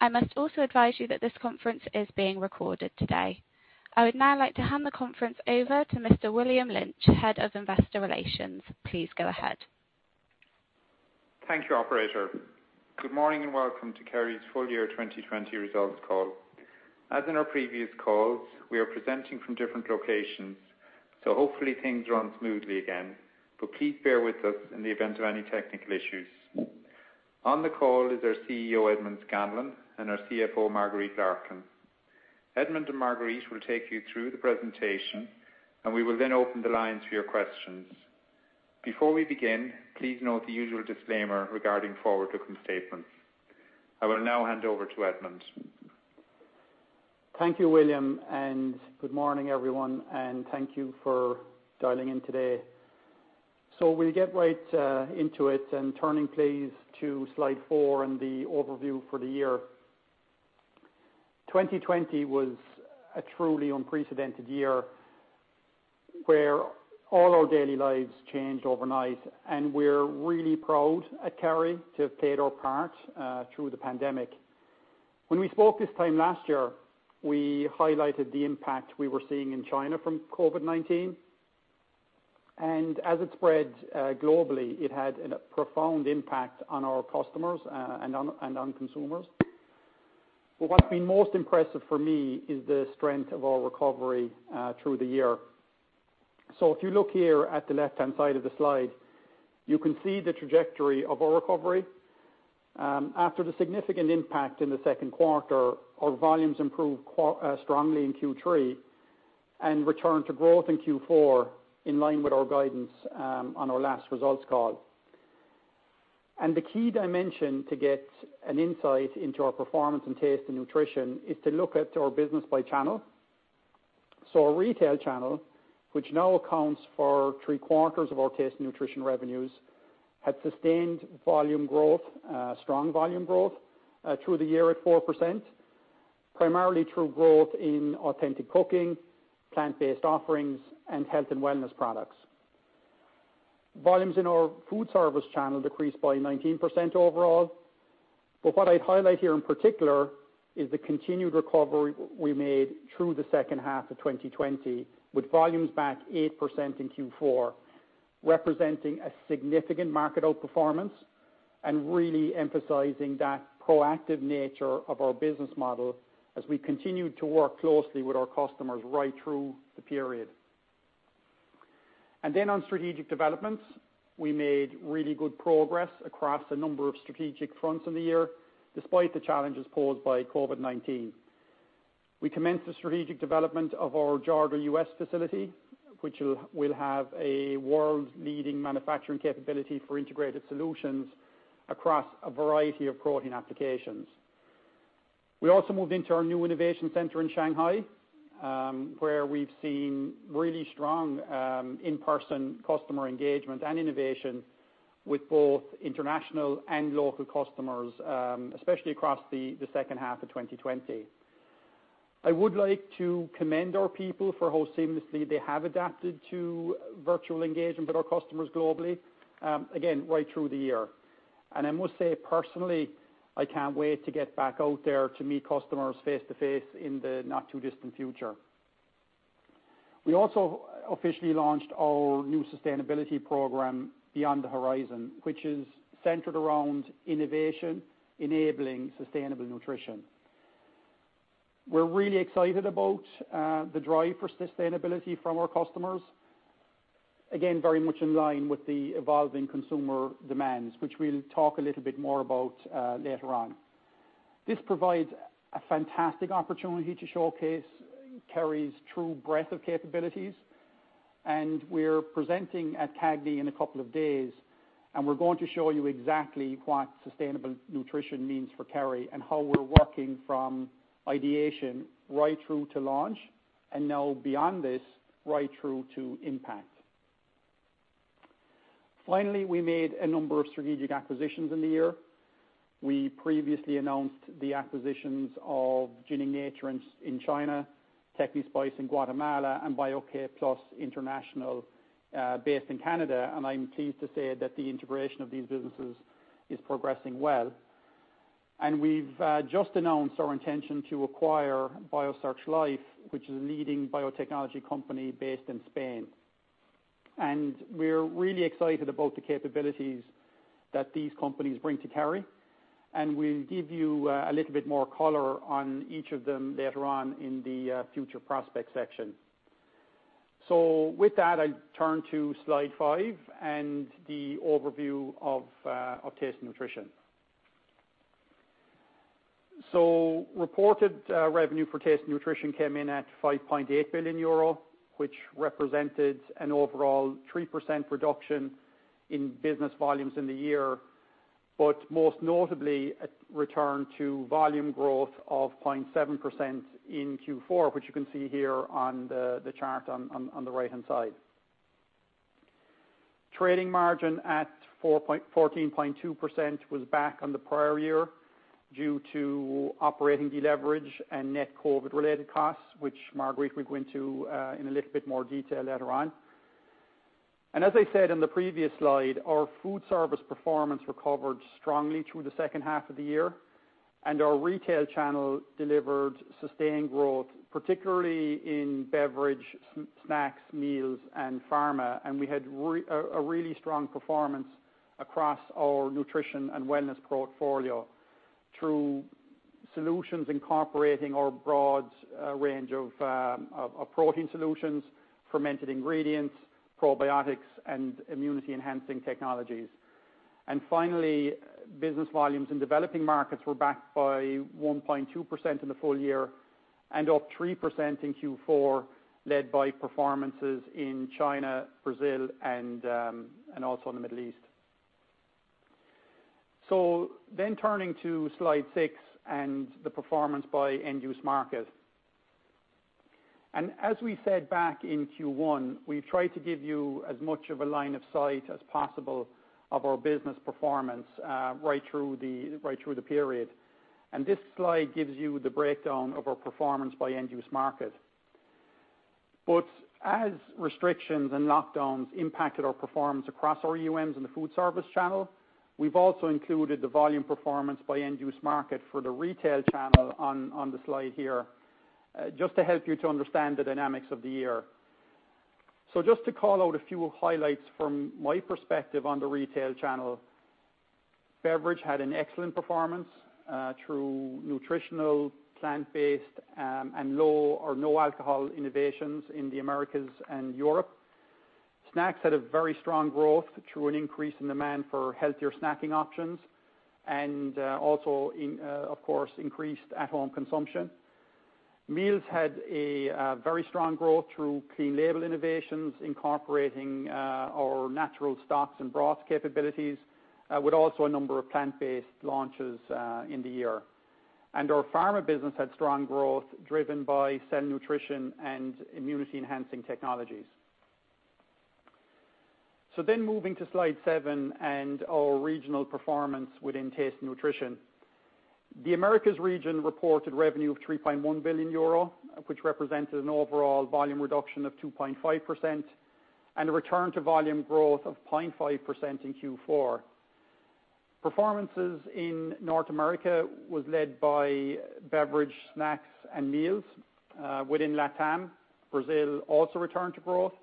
I must also advise you that this conference is being recorded today. I would now like to hand the conference over to Mr. William Lynch, Head of Investor Relations. Please go ahead. Thank you, operator. Good morning, welcome to Kerry's Full Year 2020 Results Call. As in our previous calls, we are presenting from different locations, so hopefully things run smoothly again. Please bear with us in the event of any technical issues. On the call is our CEO, Edmond Scanlon, and our CFO, Marguerite Larkin. Edmond and Marguerite will take you through the presentation, and we will then open the lines for your questions. Before we begin, please note the usual disclaimer regarding forward-looking statements. I will now hand over to Edmond. Thank you, William, and good morning, everyone, and thank you for dialing in today. We'll get right into it and turning please to slide four and the overview for the year. 2020 was a truly unprecedented year, where all our daily lives changed overnight, and we're really proud at Kerry to have played our part through the pandemic. When we spoke this time last year, we highlighted the impact we were seeing in China from COVID-19. As it spread globally, it had a profound impact on our customers and on consumers. What's been most impressive for me is the strength of our recovery through the year. If you look here at the left-hand side of the slide, you can see the trajectory of our recovery. After the significant impact in the second quarter, our volumes improved strongly in Q3 and returned to growth in Q4, in line with our guidance on our last results call. The key dimension to get an insight into our performance and Taste & Nutrition is to look at our business by channel. Our retail channel, which now accounts for three quarters of our Taste & Nutrition revenues, had sustained volume growth, strong volume growth, through the year at 4%, primarily through growth in authentic cooking, plant-based offerings, and health and wellness products. Volumes in our food service channel decreased by 19% overall. What I'd highlight here, in particular, is the continued recovery we made through the second half of 2020, with volumes back 8% in Q4, representing a significant market outperformance and really emphasizing that proactive nature of our business model as we continued to work closely with our customers right through the period. On strategic developments, we made really good progress across a number of strategic fronts in the year, despite the challenges posed by COVID-19. We commenced the strategic development of our Georgia, U.S. facility, which will have a world-leading manufacturing capability for integrated solutions across a variety of protein applications. We also moved into our new innovation center in Shanghai, where we've seen really strong in-person customer engagement and innovation with both international and local customers, especially across the second half of 2020. I would like to commend our people for how seamlessly they have adapted to virtual engagement with our customers globally, again, right through the year. I must say, personally, I can't wait to get back out there to meet customers face to face in the not too distant future. We also officially launched our new sustainability program, Beyond the Horizon, which is centered around innovation enabling sustainable nutrition. We're really excited about the drive for sustainability from our customers. Again, very much in line with the evolving consumer demands, which we'll talk a little bit more about later on. This provides a fantastic opportunity to showcase Kerry's true breadth of capabilities, and we're presenting at CAGNY in a couple of days, and we're going to show you exactly what sustainable nutrition means for Kerry and how we're working from ideation right through to launch, and now beyond this, right through to impact. Finally, we made a number of strategic acquisitions in the year. We previously announced the acquisitions of Jining Nature in China, Tecnispice in Guatemala, and Bio-K Plus International, based in Canada. I'm pleased to say that the integration of these businesses is progressing well. We've just announced our intention to acquire Biosearch Life, which is a leading biotechnology company based in Spain. We're really excited about the capabilities that these companies bring to Kerry, and we'll give you a little bit more color on each of them later on in the future prospect section. With that, I turn to slide five and the overview of Taste & Nutrition. Reported revenue for Taste & Nutrition came in at 5.8 billion euro, which represented an overall 3% reduction in business volumes in the year. Most notably, a return to volume growth of 0.7% in Q4, which you can see here on the chart on the right-hand side. Trading margin at 14.2% was back on the prior year due to operating deleverage and net COVID related costs, which Marguerite will go into in a little bit more detail later on. As I said in the previous slide, our food service performance recovered strongly through the second half of the year, and our retail channel delivered sustained growth, particularly in beverage, snacks, meals, and pharma. We had a really strong performance across our nutrition and wellness portfolio through solutions incorporating our broad range of protein solutions, fermented ingredients, probiotics, and immunity enhancing technologies. Finally, business volumes in developing markets were backed by 1.2% in the full year and up 3% in Q4, led by performances in China, Brazil, and also in the Middle East. Turning to slide six and the performance by end-use market. As we said back in Q1, we've tried to give you as much of a line of sight as possible of our business performance right through the period. This slide gives you the breakdown of our performance by end-use market. As restrictions and lockdowns impacted our performance across our EUMs in the food service channel, we've also included the volume performance by end-use market for the retail channel on the slide here, just to help you to understand the dynamics of the year. Just to call out a few highlights from my perspective on the retail channel. Beverage had an excellent performance through nutritional plant-based and low or no alcohol innovations in the Americas and Europe. Snacks had a very strong growth through an increase in demand for healthier snacking options and also, of course, increased at-home consumption. Meals had a very strong growth through clean label innovations, incorporating our natural stocks and broths capabilities with also a number of plant-based launches in the year. Our pharma business had strong growth driven by cell nutrition and immunity enhancing technologies. Moving to slide seven and our regional performance within Taste & Nutrition. The Americas region reported revenue of 3.1 billion euro, which represents an overall volume reduction of 2.5% and a return to volume growth of 0.5% in Q4. Performances in North America was led by beverage, snacks, and meals. Within LATAM, Brazil also returned to growth,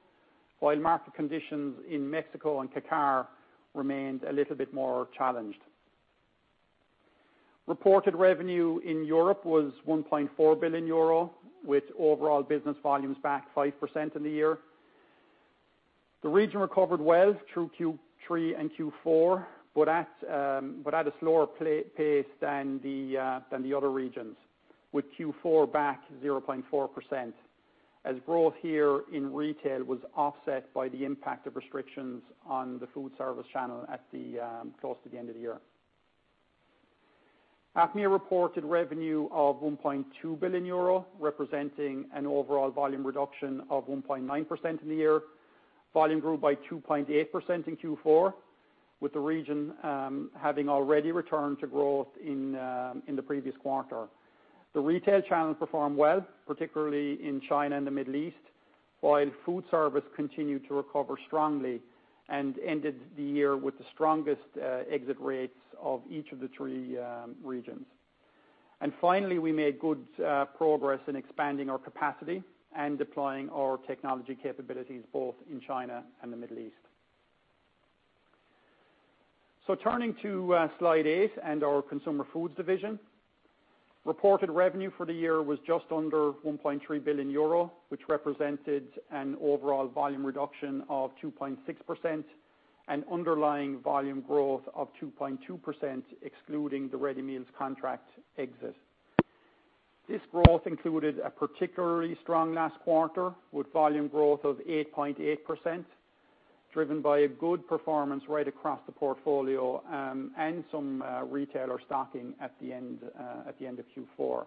while market conditions in Mexico and CACAR remained a little bit more challenged. Reported revenue in Europe was 1.4 billion euro, with overall business volumes back 5% in the year. The region recovered well through Q3 and Q4, but at a slower pace than the other regions, with Q4 back 0.4%, as growth here in retail was offset by the impact of restrictions on the foodservice channel close to the end of the year. APMEA reported revenue of 1.2 billion euro, representing an overall volume reduction of 1.9% in the year. Volume grew by 2.8% in Q4, with the region having already returned to growth in the previous quarter. The retail channel performed well, particularly in China and the Middle East, while foodservice continued to recover strongly and ended the year with the strongest exit rates of each of the three regions. Finally, we made good progress in expanding our capacity and deploying our technology capabilities both in China and the Middle East. Turning to slide eight and our Consumer Foods division. Reported revenue for the year was just under 1.3 billion euro, which represented an overall volume reduction of 2.6% and underlying volume growth of 2.2%, excluding the ready meals contract exit. This growth included a particularly strong last quarter, with volume growth of 8.8%, driven by a good performance right across the portfolio and some retailer stocking at the end of Q4.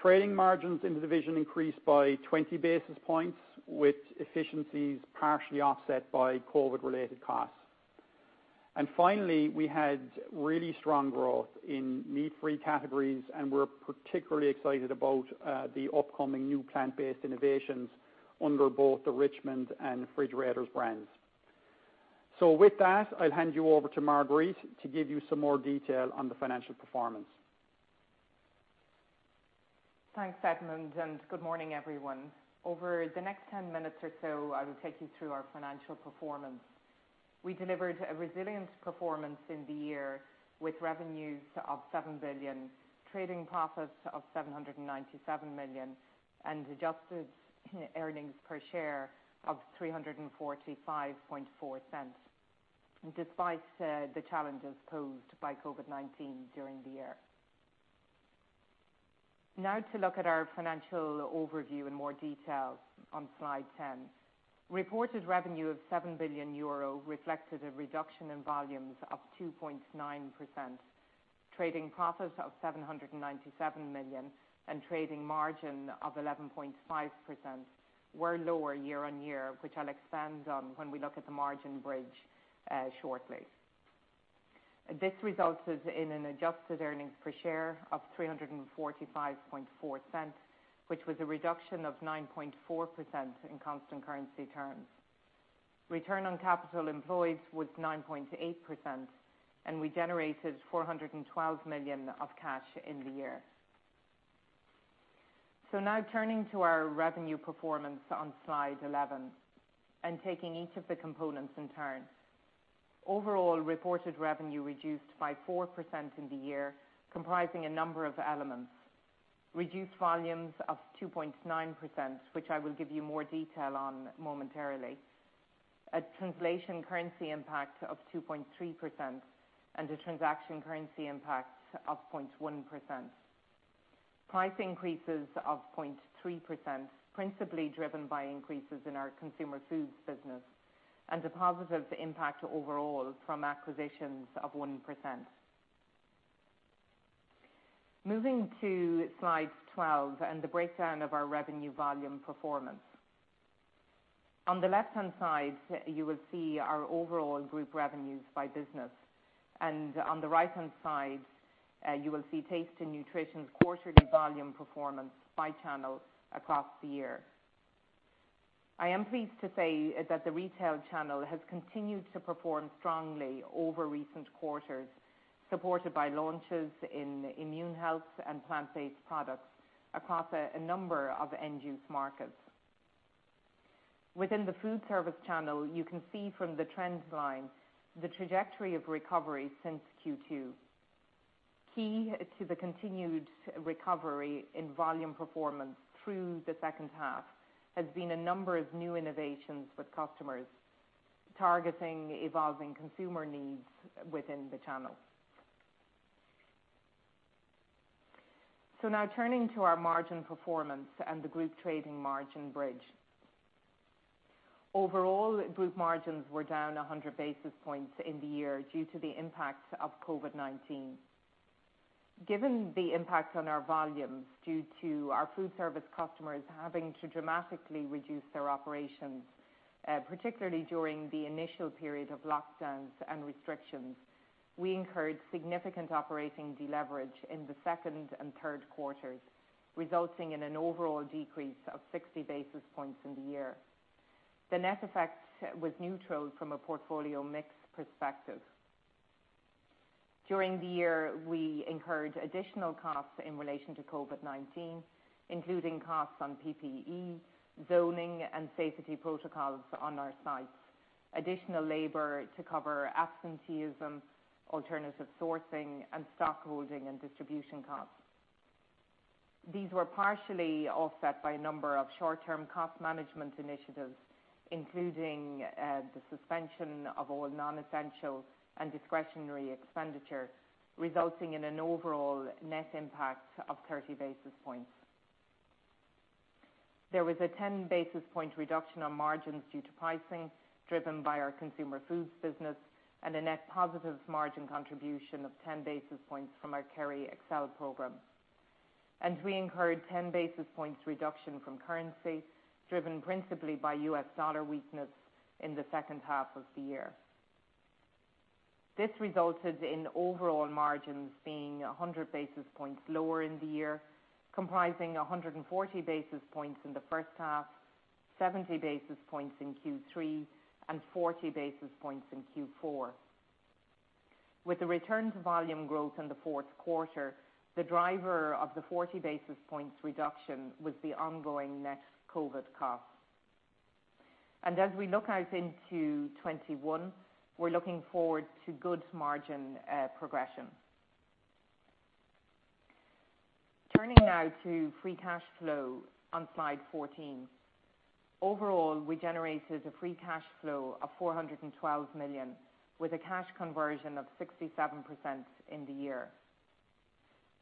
Trading margins in the division increased by 20 basis points, with efficiencies partially offset by COVID-related costs. Finally, we had really strong growth in meat-free categories, and we're particularly excited about the upcoming new plant-based innovations under both the Richmond and Fridge Raiders brands. With that, I'll hand you over to Marguerite to give you some more detail on the financial performance. Thanks, Edmond, and good morning, everyone. Over the next 10 minutes or so, I will take you through our financial performance. We delivered a resilient performance in the year with revenues of 7 billion, trading profits of 797 million and adjusted earnings per share of 3.454 despite the challenges posed by COVID-19 during the year. To look at our financial overview in more detail on slide 10. Reported revenue of 7 billion euro reflected a reduction in volumes of 2.9%. Trading profits of 797 million and trading margin of 11.5% were lower year-on-year, which I'll expand on when we look at the margin bridge shortly. This resulted in an adjusted earnings per share of 3.454, which was a reduction of 9.4% in constant currency terms. Return on capital employed was 9.8%, and we generated 412 million of cash in the year. Now turning to our revenue performance on slide 11, and taking each of the components in turn. Overall reported revenue reduced by 4% in the year, comprising a number of elements. Reduced volumes of 2.9%, which I will give you more detail on momentarily. A translation currency impact of 2.3%, and a transaction currency impact of 0.1%. Price increases of 0.3%, principally driven by increases in our Consumer Foods business, and a positive impact overall from acquisitions of 1%. Moving to slide 12 and the breakdown of our revenue volume performance. On the left-hand side, you will see our overall group revenues by business. On the right-hand side, you will see Taste & Nutrition's quarterly volume performance by channel across the year. I am pleased to say that the retail channel has continued to perform strongly over recent quarters, supported by launches in immune health and plant-based products across a number of end-use markets. Within the food service channel, you can see from the trend line the trajectory of recovery since Q2. Key to the continued recovery in volume performance through the second half has been a number of new innovations with customers, targeting evolving consumer needs within the channel. Now turning to our margin performance and the group trading margin bridge. Overall, group margins were down 100 basis points in the year due to the impact of COVID-19. Given the impact on our volumes due to our food service customers having to dramatically reduce their operations, particularly during the initial period of lockdowns and restrictions, we incurred significant operating deleverage in the second and third quarters, resulting in an overall decrease of 60 basis points in the year. The net effect was neutral from a portfolio mix perspective. During the year, we incurred additional costs in relation to COVID-19, including costs on PPE, zoning and safety protocols on our sites, additional labor to cover absenteeism, alternative sourcing, and stockholding and distribution costs. These were partially offset by a number of short-term cost management initiatives, including the suspension of all non-essential and discretionary expenditure, resulting in an overall net impact of 30 basis points. There was a 10 basis point reduction on margins due to pricing, driven by our Consumer Foods business, and a net positive margin contribution of 10 basis points from our Kerry Excel program. We incurred 10 basis points reduction from currency, driven principally by U.S. dollar weakness in the second half of the year. This resulted in overall margins being 100 basis points lower in the year, comprising 140 basis points in the first half, 70 basis points in Q3, and 40 basis points in Q4. With the return to volume growth in the fourth quarter, the driver of the 40 basis points reduction was the ongoing net COVID cost. As we look out into 2021, we're looking forward to good margin progression. Turning now to free cash flow on slide 14. Overall, we generated a free cash flow of 412 million, with a cash conversion of 67% in the year.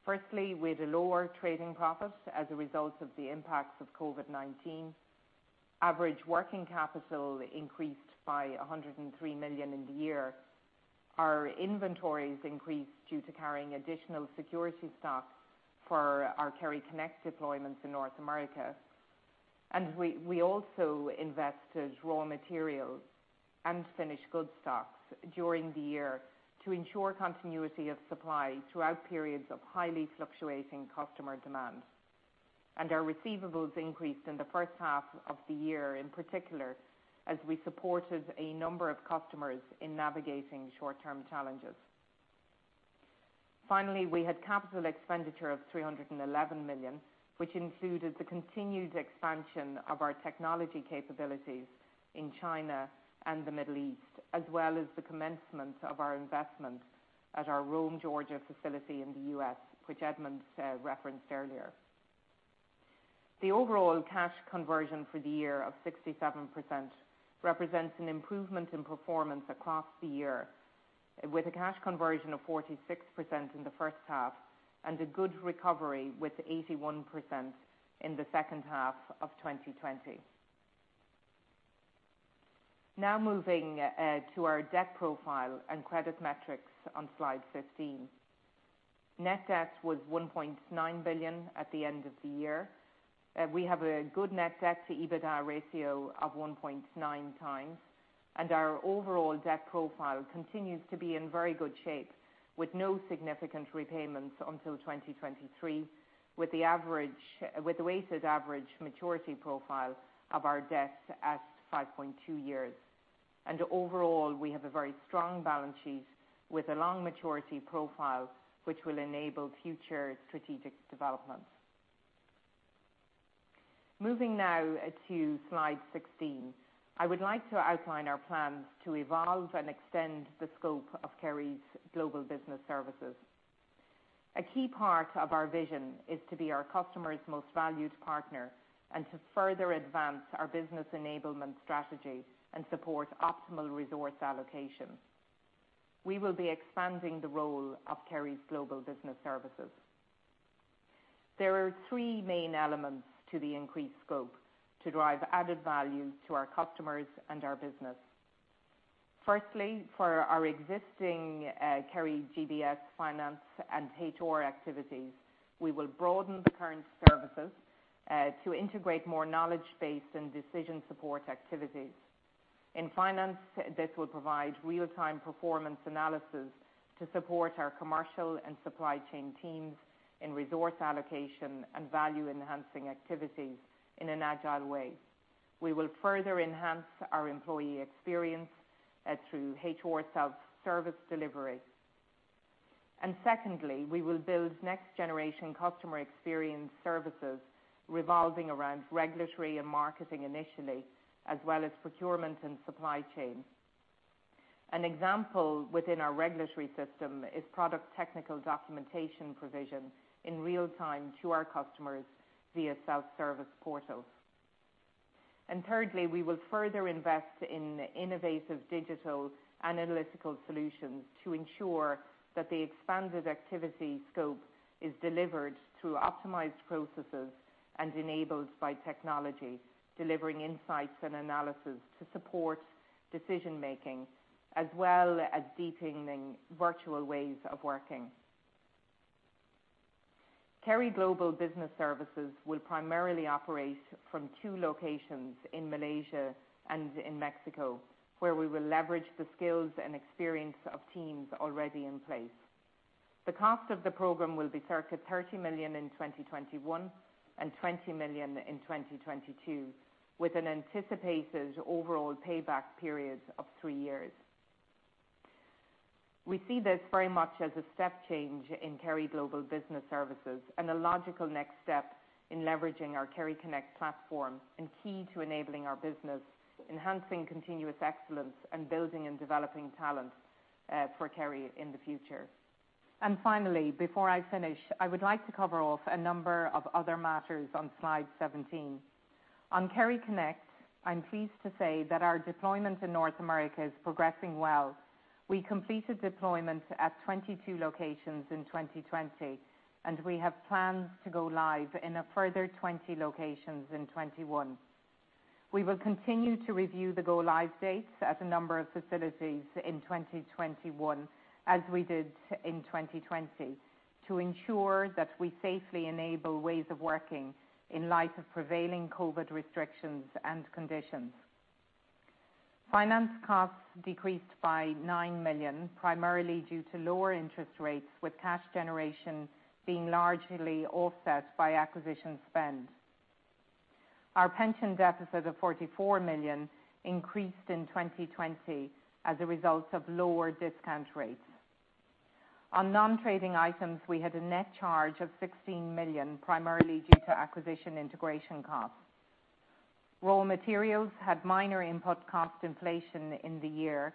Firstly, with lower trading profit as a result of the impacts of COVID-19, average working capital increased by 103 million in the year. Our inventories increased due to carrying additional security stock for our KerryConnect deployments in North America. We also invested raw materials and finished good stocks during the year to ensure continuity of supply throughout periods of highly fluctuating customer demand. Our receivables increased in the first half of the year, in particular, as we supported a number of customers in navigating short-term challenges. Finally, we had capital expenditure of 311 million, which included the continued expansion of our technology capabilities in China and the Middle East, as well as the commencement of our investment at our Rome, Georgia facility in the U.S., which Edmond referenced earlier. The overall cash conversion for the year of 67% represents an improvement in performance across the year, with a cash conversion of 46% in the first half and a good recovery with 81% in the second half of 2020. Moving to our debt profile and credit metrics on slide 15. Net debt was 1.9 billion at the end of the year. We have a good net debt to EBITDA ratio of 1.9 times, and our overall debt profile continues to be in very good shape with no significant repayments until 2023, with the weighted average maturity profile of our debt at 5.2 years. Overall, we have a very strong balance sheet with a long maturity profile, which will enable future strategic developments. Moving now to slide 16. I would like to outline our plans to evolve and extend the scope of Kerry Global Business Services. A key part of our vision is to be our customer's most valued partner and to further advance our business enablement strategy and support optimal resource allocation. We will be expanding the role of Kerry Global Business Services. There are three main elements to the increased scope to drive added value to our customers and our business. Firstly, for our existing Kerry GBS finance and HR activities, we will broaden the current services to integrate more knowledge base and decision support activities. In finance, this will provide real-time performance analysis to support our commercial and supply chain teams in resource allocation and value-enhancing activities in an agile way. We will further enhance our employee experience through HR self-service delivery. Secondly, we will build next-generation customer experience services revolving around regulatory and marketing initially, as well as procurement and supply chain. An example within our regulatory system is product technical documentation provision in real time to our customers via self-service portals. Thirdly, we will further invest in innovative digital and analytical solutions to ensure that the expanded activity scope is delivered through optimized processes and enabled by technology, delivering insights and analysis to support decision-making as well as deepening virtual ways of working. Kerry Global Business Services will primarily operate from two locations in Malaysia and in Mexico, where we will leverage the skills and experience of teams already in place. The cost of the program will be circa 30 million in 2021 and 20 million in 2022, with an anticipated overall payback period of three years. We see this very much as a step change in Kerry Global Business Services and a logical next step in leveraging our KerryConnect platform and key to enabling our business, enhancing continuous excellence and building and developing talent for Kerry in the future. Finally, before I finish, I would like to cover off a number of other matters on slide 17. On KerryConnect, I'm pleased to say that our deployment in North America is progressing well. We completed deployment at 22 locations in 2020, and we have plans to go live in a further 20 locations in 2021. We will continue to review the go-live dates at a number of facilities in 2021, as we did in 2020, to ensure that we safely enable ways of working in light of prevailing COVID restrictions and conditions. Finance costs decreased by 9 million, primarily due to lower interest rates, with cash generation being largely offset by acquisition spend. Our pension deficit of 44 million increased in 2020 as a result of lower discount rates. On non-trading items, we had a net charge of 16 million, primarily due to acquisition integration costs. Raw materials had minor input cost inflation in the year.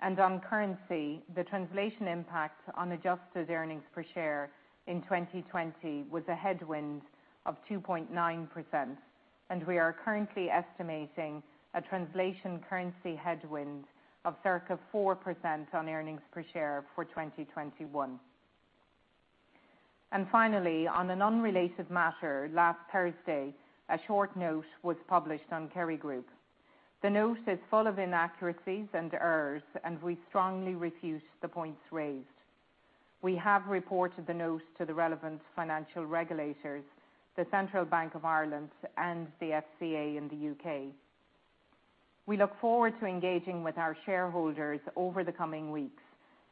On currency, the translation impact on adjusted earnings per share in 2020 was a headwind of 2.9%, we are currently estimating a translation currency headwind of circa 4% on earnings per share for 2021. Finally, on an unrelated matter, last Thursday, a short note was published on Kerry Group. The note is full of inaccuracies and errors, we strongly refute the points raised. We have reported the note to the relevant financial regulators, the Central Bank of Ireland and the FCA in the U.K. We look forward to engaging with our shareholders over the coming weeks,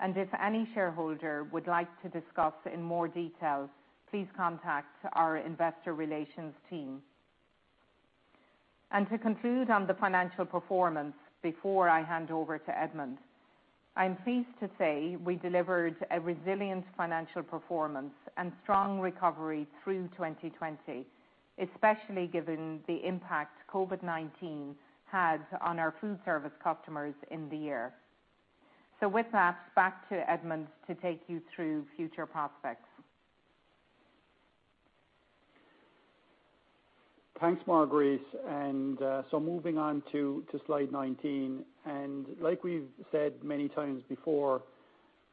if any shareholder would like to discuss in more detail, please contact our investor relations team. To conclude on the financial performance before I hand over to Edmond, I'm pleased to say we delivered a resilient financial performance and strong recovery through 2020, especially given the impact COVID-19 had on our food service customers in the year. With that, back to Edmond to take you through future prospects. Thanks, Marguerite. Moving on to slide 19, like we've said many times before,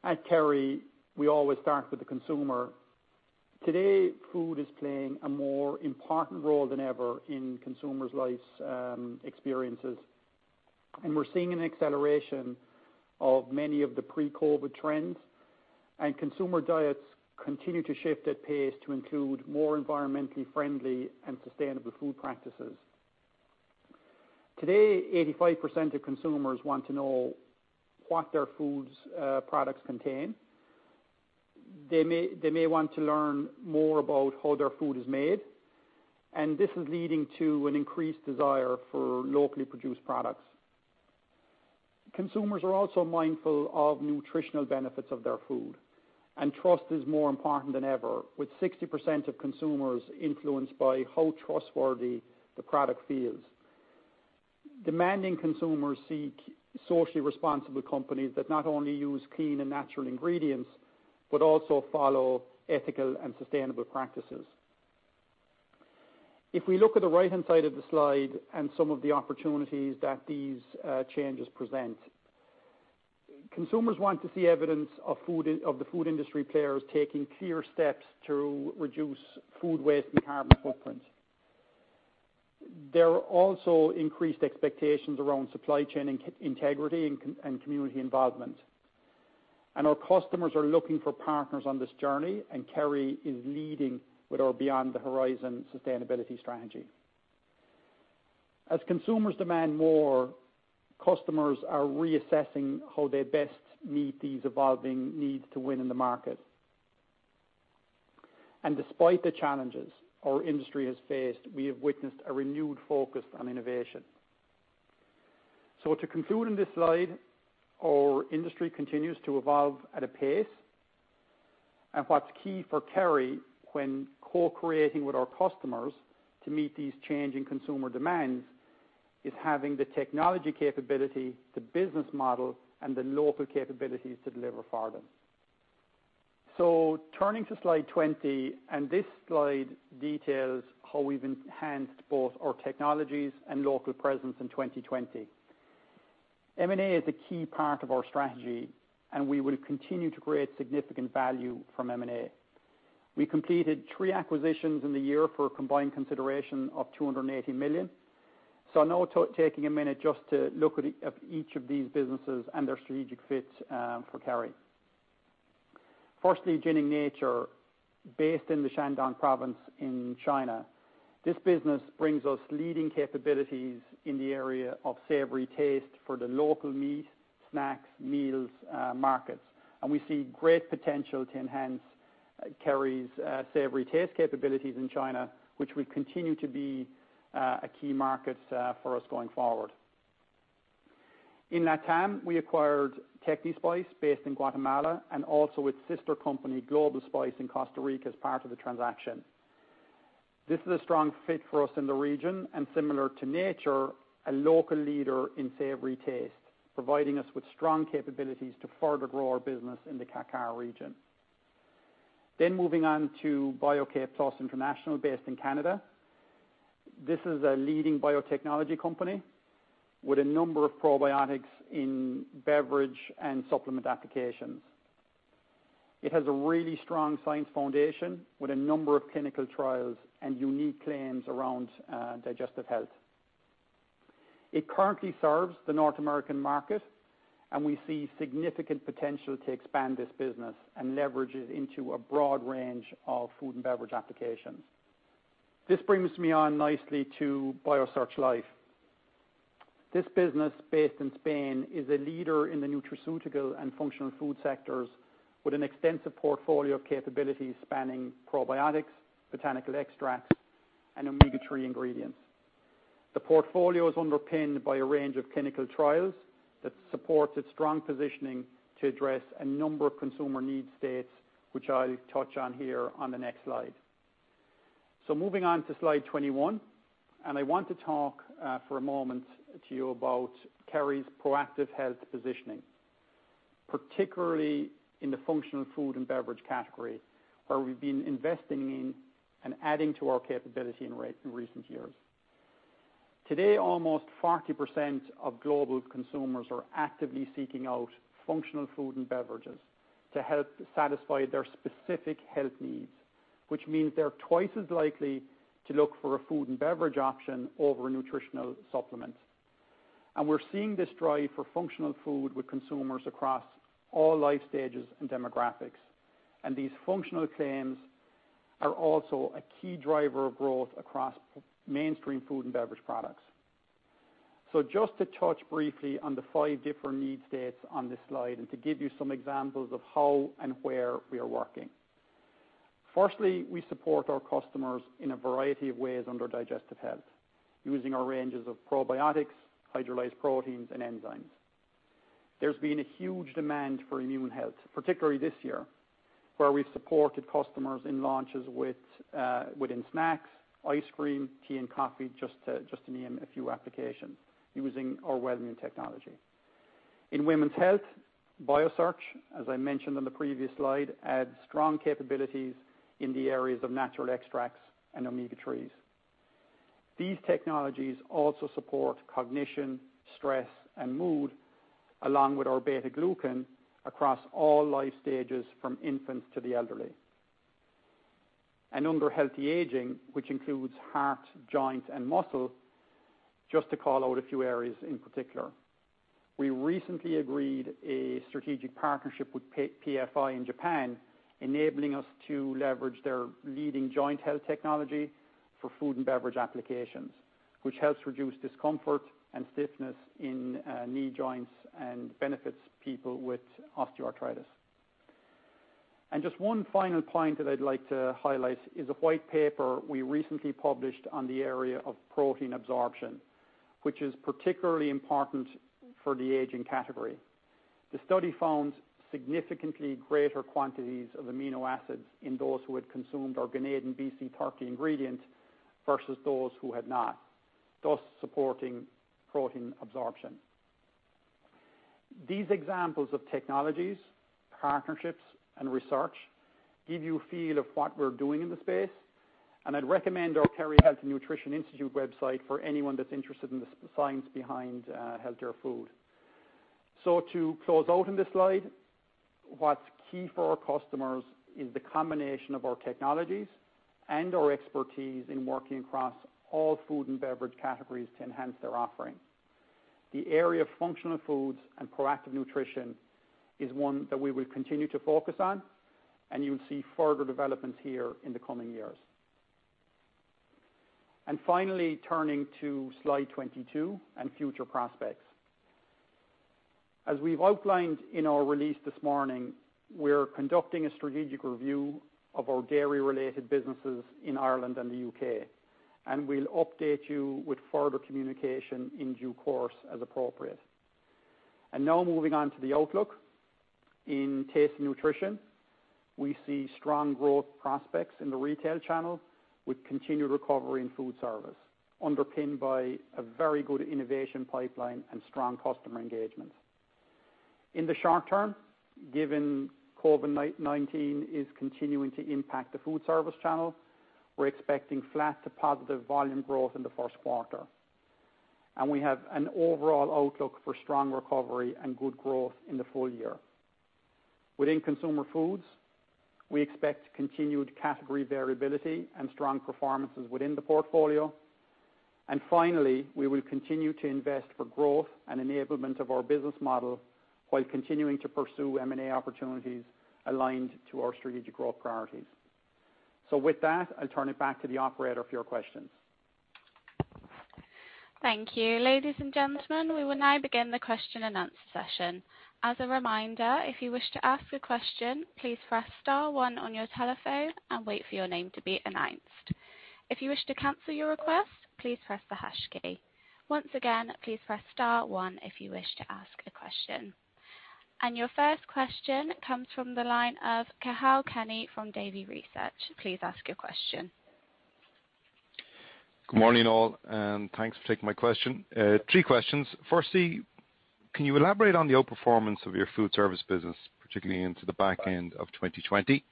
at Kerry, we always start with the consumer. Today, food is playing a more important role than ever in consumers' life's experiences. We're seeing an acceleration of many of the pre-COVID trends, consumer diets continue to shift at pace to include more environmentally friendly and sustainable food practices. Today, 85% of consumers want to know what their food's products contain. They may want to learn more about how their food is made, this is leading to an increased desire for locally produced products. Consumers are also mindful of nutritional benefits of their food, trust is more important than ever, with 60% of consumers influenced by how trustworthy the product feels. Demanding consumers seek socially responsible companies that not only use clean and natural ingredients, but also follow ethical and sustainable practices. If we look at the right-hand side of the slide and some of the opportunities that these changes present, consumers want to see evidence of the food industry players taking clear steps to reduce food waste and carbon footprint. There are also increased expectations around supply chain integrity and community involvement. Our customers are looking for partners on this journey, and Kerry is leading with our Beyond the Horizon sustainability strategy. As consumers demand more, customers are reassessing how they best meet these evolving needs to win in the market. Despite the challenges our industry has faced, we have witnessed a renewed focus on innovation. To conclude on this slide, our industry continues to evolve at a pace, and what's key for Kerry Group when co-creating with our customers to meet these changing consumer demands, is having the technology capability, the business model, and the local capabilities to deliver for them. Turning to slide 20, this slide details how we've enhanced both our technologies and local presence in 2020. M&A is a key part of our strategy, and we will continue to create significant value from M&A. We completed three acquisitions in the year for a combined consideration of 280 million. Now taking a minute just to look at each of these businesses and their strategic fit for Kerry Group. Firstly, Jining Nature, based in the Shandong province in China. This business brings us leading capabilities in the area of savory taste for the local meat, snacks, meals, markets, and we see great potential to enhance Kerry's savory taste capabilities in China, which will continue to be a key market for us going forward. In LATAM, we acquired Tecnispice, based in Guatemala, and also its sister company, Global Spice in Costa Rica, as part of the transaction. This is a strong fit for us in the region, and similar to Jining Nature, a local leader in savory taste, providing us with strong capabilities to further grow our business in the CACAR region. Moving on to Bio-K Plus International, based in Canada. This is a leading biotechnology company with a number of probiotics in beverage and supplement applications. It has a really strong science foundation with a number of clinical trials and unique claims around digestive health. It currently serves the North American market. We see significant potential to expand this business and leverage it into a broad range of food and beverage applications. This brings me on nicely to Biosearch Life. This business, based in Spain, is a leader in the nutraceutical and functional food sectors with an extensive portfolio of capabilities spanning probiotics, botanical extracts, and omega-3 ingredients. The portfolio is underpinned by a range of clinical trials that support its strong positioning to address a number of consumer need states, which I'll touch on here on the next slide. Moving on to slide 21. I want to talk for a moment to you about Kerry's proactive health positioning, particularly in the functional food and beverage category, where we've been investing in and adding to our capability in recent years. Today, almost 40% of global consumers are actively seeking out functional food and beverages to help satisfy their specific health needs, which means they're twice as likely to look for a food and beverage option over a nutritional supplement. We're seeing this drive for functional food with consumers across all life stages and demographics. These functional claims are also a key driver of growth across mainstream food and beverage products. Just to touch briefly on the five different need states on this slide, and to give you some examples of how and where we are working. Firstly, we support our customers in a variety of ways under digestive health, using our ranges of probiotics, hydrolyzed proteins, and enzymes. There's been a huge demand for immune health, particularly this year, where we've supported customers in launches within snacks, ice cream, tea and coffee, just to name a few applications using our Wellmune technology. In women's health, Biosearch, as I mentioned on the previous slide, adds strong capabilities in the areas of natural extracts and omega-3s. These technologies also support cognition, stress, and mood, along with our beta-glucan across all life stages from infants to the elderly. Under healthy aging, which includes heart, joint, and muscle, just to call out a few areas in particular. We recently agreed a strategic partnership with PFI in Japan, enabling us to leverage their leading joint health technology for food and beverage applications, which helps reduce discomfort and stiffness in knee joints and benefits people with osteoarthritis. Just one final point that I'd like to highlight is a white paper we recently published on the area of protein absorption, which is particularly important for the aging category. The study found significantly greater quantities of amino acids in those who had consumed our GanedenBC30 ingredient versus those who had not, thus supporting protein absorption. These examples of technologies, partnerships, and research give you a feel of what we're doing in the space, and I'd recommend our Kerry Health and Nutrition Institute website for anyone that's interested in the science behind healthier food. To close out in this slide, what's key for our customers is the combination of our technologies and our expertise in working across all food and beverage categories to enhance their offering. The area of functional foods and proactive nutrition is one that we will continue to focus on, and you'll see further developments here in the coming years. Finally, turning to slide 22 and future prospects. As we've outlined in our release this morning, we're conducting a strategic review of our dairy-related businesses in Ireland and the U.K., and we'll update you with further communication in due course as appropriate. Now moving on to the outlook. In Taste & Nutrition, we see strong growth prospects in the retail channel with continued recovery in food service, underpinned by a very good innovation pipeline and strong customer engagement. In the short term, given COVID-19 is continuing to impact the food service channel, we're expecting flat to positive volume growth in the first quarter. We have an overall outlook for strong recovery and good growth in the full year. Within Consumer Foods, we expect continued category variability and strong performances within the portfolio. Finally, we will continue to invest for growth and enablement of our business model while continuing to pursue M&A opportunities aligned to our strategic growth priorities. With that, I'll turn it back to the operator for your questions. Thank you. Ladies and gentlemen, we will now begin the question and answer session. As a reminder, if you wish to ask a question, please press star one on your telephone and wait for your name to be announced. If you wish to cancel your request, please press the hash key. Once again, please press star one if you wish to ask a question. Your first question comes from the line of Cathal Kenny from Davy Research. Please ask your question. Good morning, all, thanks for taking my question. Three questions. Firstly, can you elaborate on the outperformance of your food service business, particularly into the back end of 2020?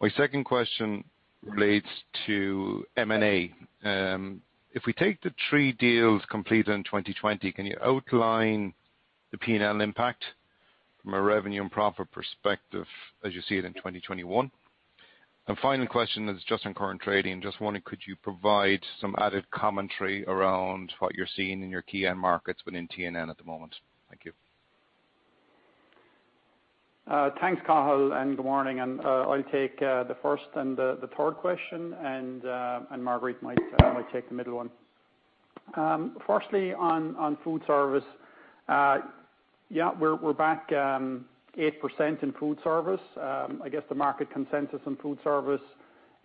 My second question relates to M&A. If we take the three deals completed in 2020, can you outline the P&L impact from a revenue and profit perspective as you see it in 2021? Final question is just on current trading. Just wondering, could you provide some added commentary around what you're seeing in your key end markets within T&N at the moment? Thank you. Thanks, Cathal. Good morning. I'll take the first and the third question. Marguerite might take the middle one. Firstly, on food service, yeah, we're back 8% in food service. I guess the market consensus on food service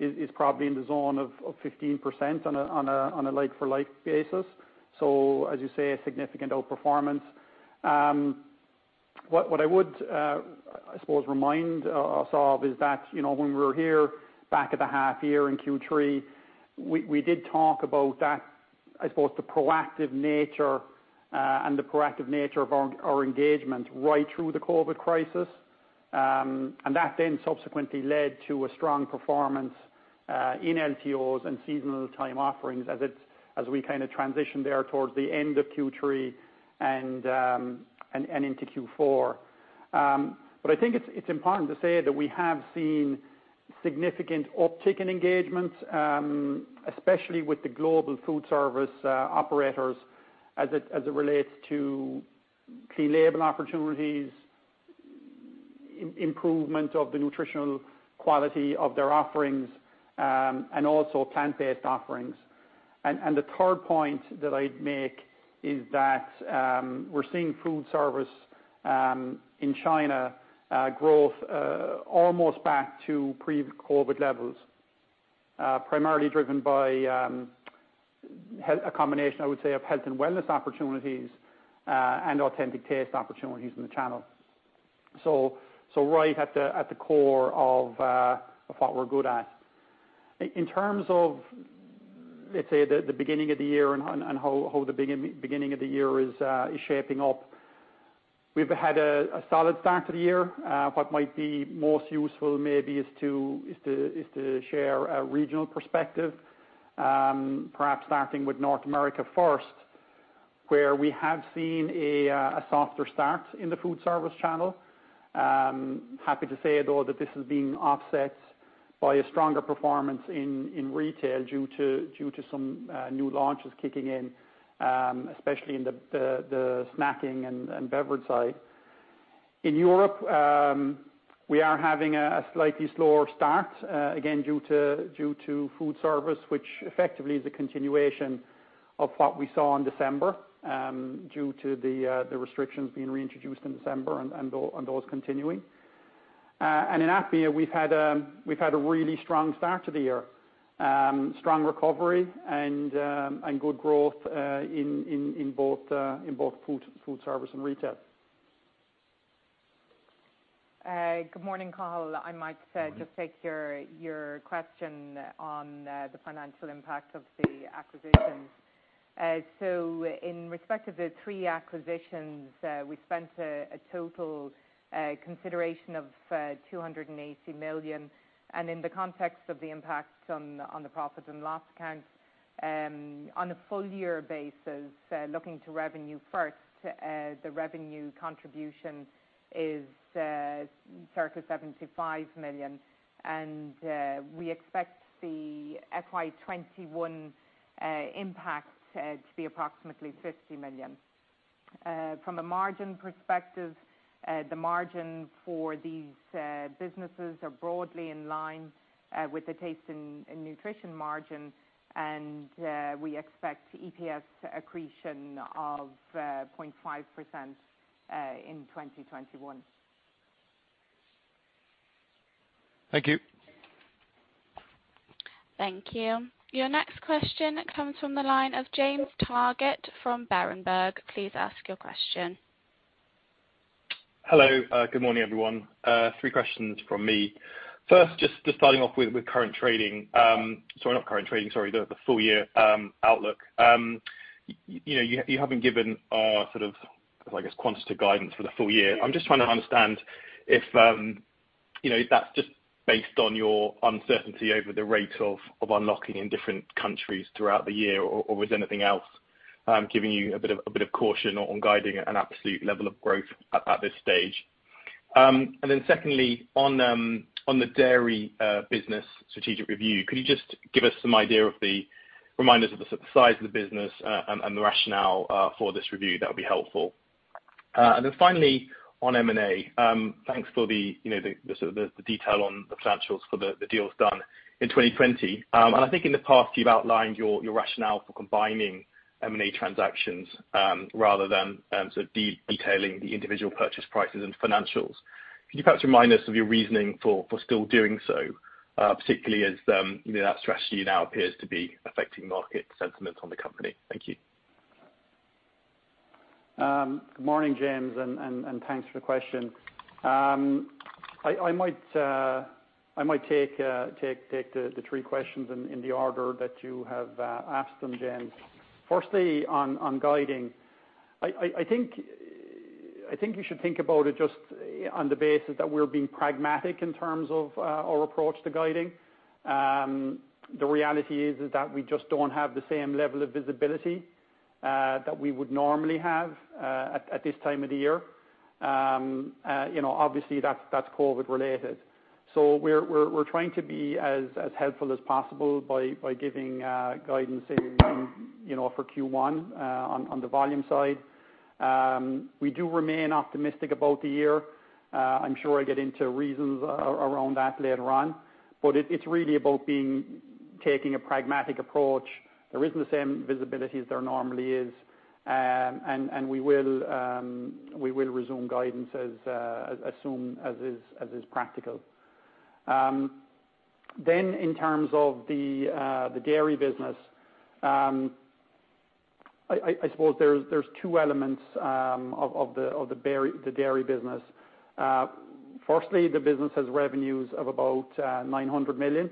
is probably in the zone of 15% on a like for like basis. As you say, a significant outperformance. What I would, I suppose, remind us of is that when we were here back at the half year in Q3, we did talk about that, I suppose the proactive nature and the corrective nature of our engagement right through the COVID crisis. That then subsequently led to a strong performance in LTOs and seasonal limited-time offerings as we kind of transitioned there towards the end of Q3 and into Q4. I think it's important to say that we have seen significant uptick in engagement, especially with the global food service operators as it relates to clean label opportunities, improvement of the nutritional quality of their offerings, and also plant-based offerings. The third point that I'd make is that we're seeing food service in China growth almost back to pre-COVID levels, primarily driven by a combination, I would say, of health and wellness opportunities and authentic taste opportunities in the channel. Right at the core of what we're good at. In terms of, let's say, the beginning of the year and how the beginning of the year is shaping up, we've had a solid start to the year. What might be most useful maybe is to share a regional perspective, perhaps starting with North America first, where we have seen a softer start in the food service channel. Happy to say, though, that this is being offset by a stronger performance in retail due to some new launches kicking in, especially in the snacking and beverage side. In Europe, we are having a slightly slower start, again, due to food service, which effectively is a continuation of what we saw in December due to the restrictions being reintroduced in December and those continuing. In APMEA, we've had a really strong start to the year. Strong recovery and good growth in both food service and retail. Good morning, Cathal. I might just take your question on the financial impact of the acquisitions. In respect of the three acquisitions, we spent a total consideration of 280 million, and in the context of the impact on the profit and loss account, on a full year basis, looking to revenue first, the revenue contribution is circa 75 million. We expect the FY 2021 impact to be approximately 50 million. From a margin perspective, the margin for these businesses are broadly in line with the Taste & Nutrition margin, and we expect EPS accretion of 0.5% in 2021. Thank you. Thank you. Your next question comes from the line of James Targett from Berenberg. Please ask your question. Hello. Good morning, everyone. Three questions from me. First, just starting off with current trading. Sorry, not current trading, sorry, the full year outlook. You haven't given a sort of, I guess, quantitative guidance for the full year. I'm just trying to understand if that's just based on your uncertainty over the rate of unlocking in different countries throughout the year, or is anything else giving you a bit of caution on guiding an absolute level of growth at this stage? Secondly, on the dairy business strategic review, could you just give us some idea of the reminders of the size of the business and the rationale for this review? That would be helpful. Finally on M&A. Thanks for the detail on the financials for the deals done in 2020. I think in the past, you've outlined your rationale for combining M&A transactions rather than detailing the individual purchase prices and financials. Could you perhaps remind us of your reasoning for still doing so, particularly as that strategy now appears to be affecting market sentiment on the company? Thank you. Good morning, James, and thanks for the question. I might take the three questions in the order that you have asked them, James. Firstly, on guiding. I think you should think about it just on the basis that we're being pragmatic in terms of our approach to guiding. The reality is that we just don't have the same level of visibility that we would normally have at this time of the year. Obviously, that's COVID related. We're trying to be as helpful as possible by giving guidance for Q1 on the volume side. We do remain optimistic about the year. I'm sure I get into reasons around that later on. It's really about taking a pragmatic approach. There isn't the same visibility as there normally is. We will resume guidance as soon as is practical. In terms of the dairy business, I suppose there's two elements of the dairy business. Firstly, the business has revenues of about 900 million.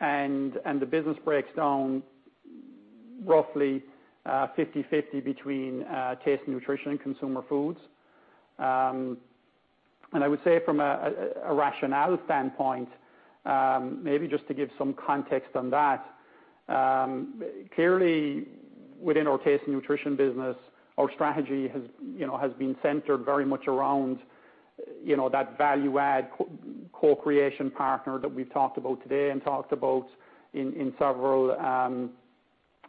The business breaks down roughly 50/50 between Taste & Nutrition and Consumer Foods. I would say from a rationale standpoint, maybe just to give some context on that, clearly within our Taste & Nutrition business, our strategy has been centered very much around that value add co-creation partner that we've talked about today and talked about in several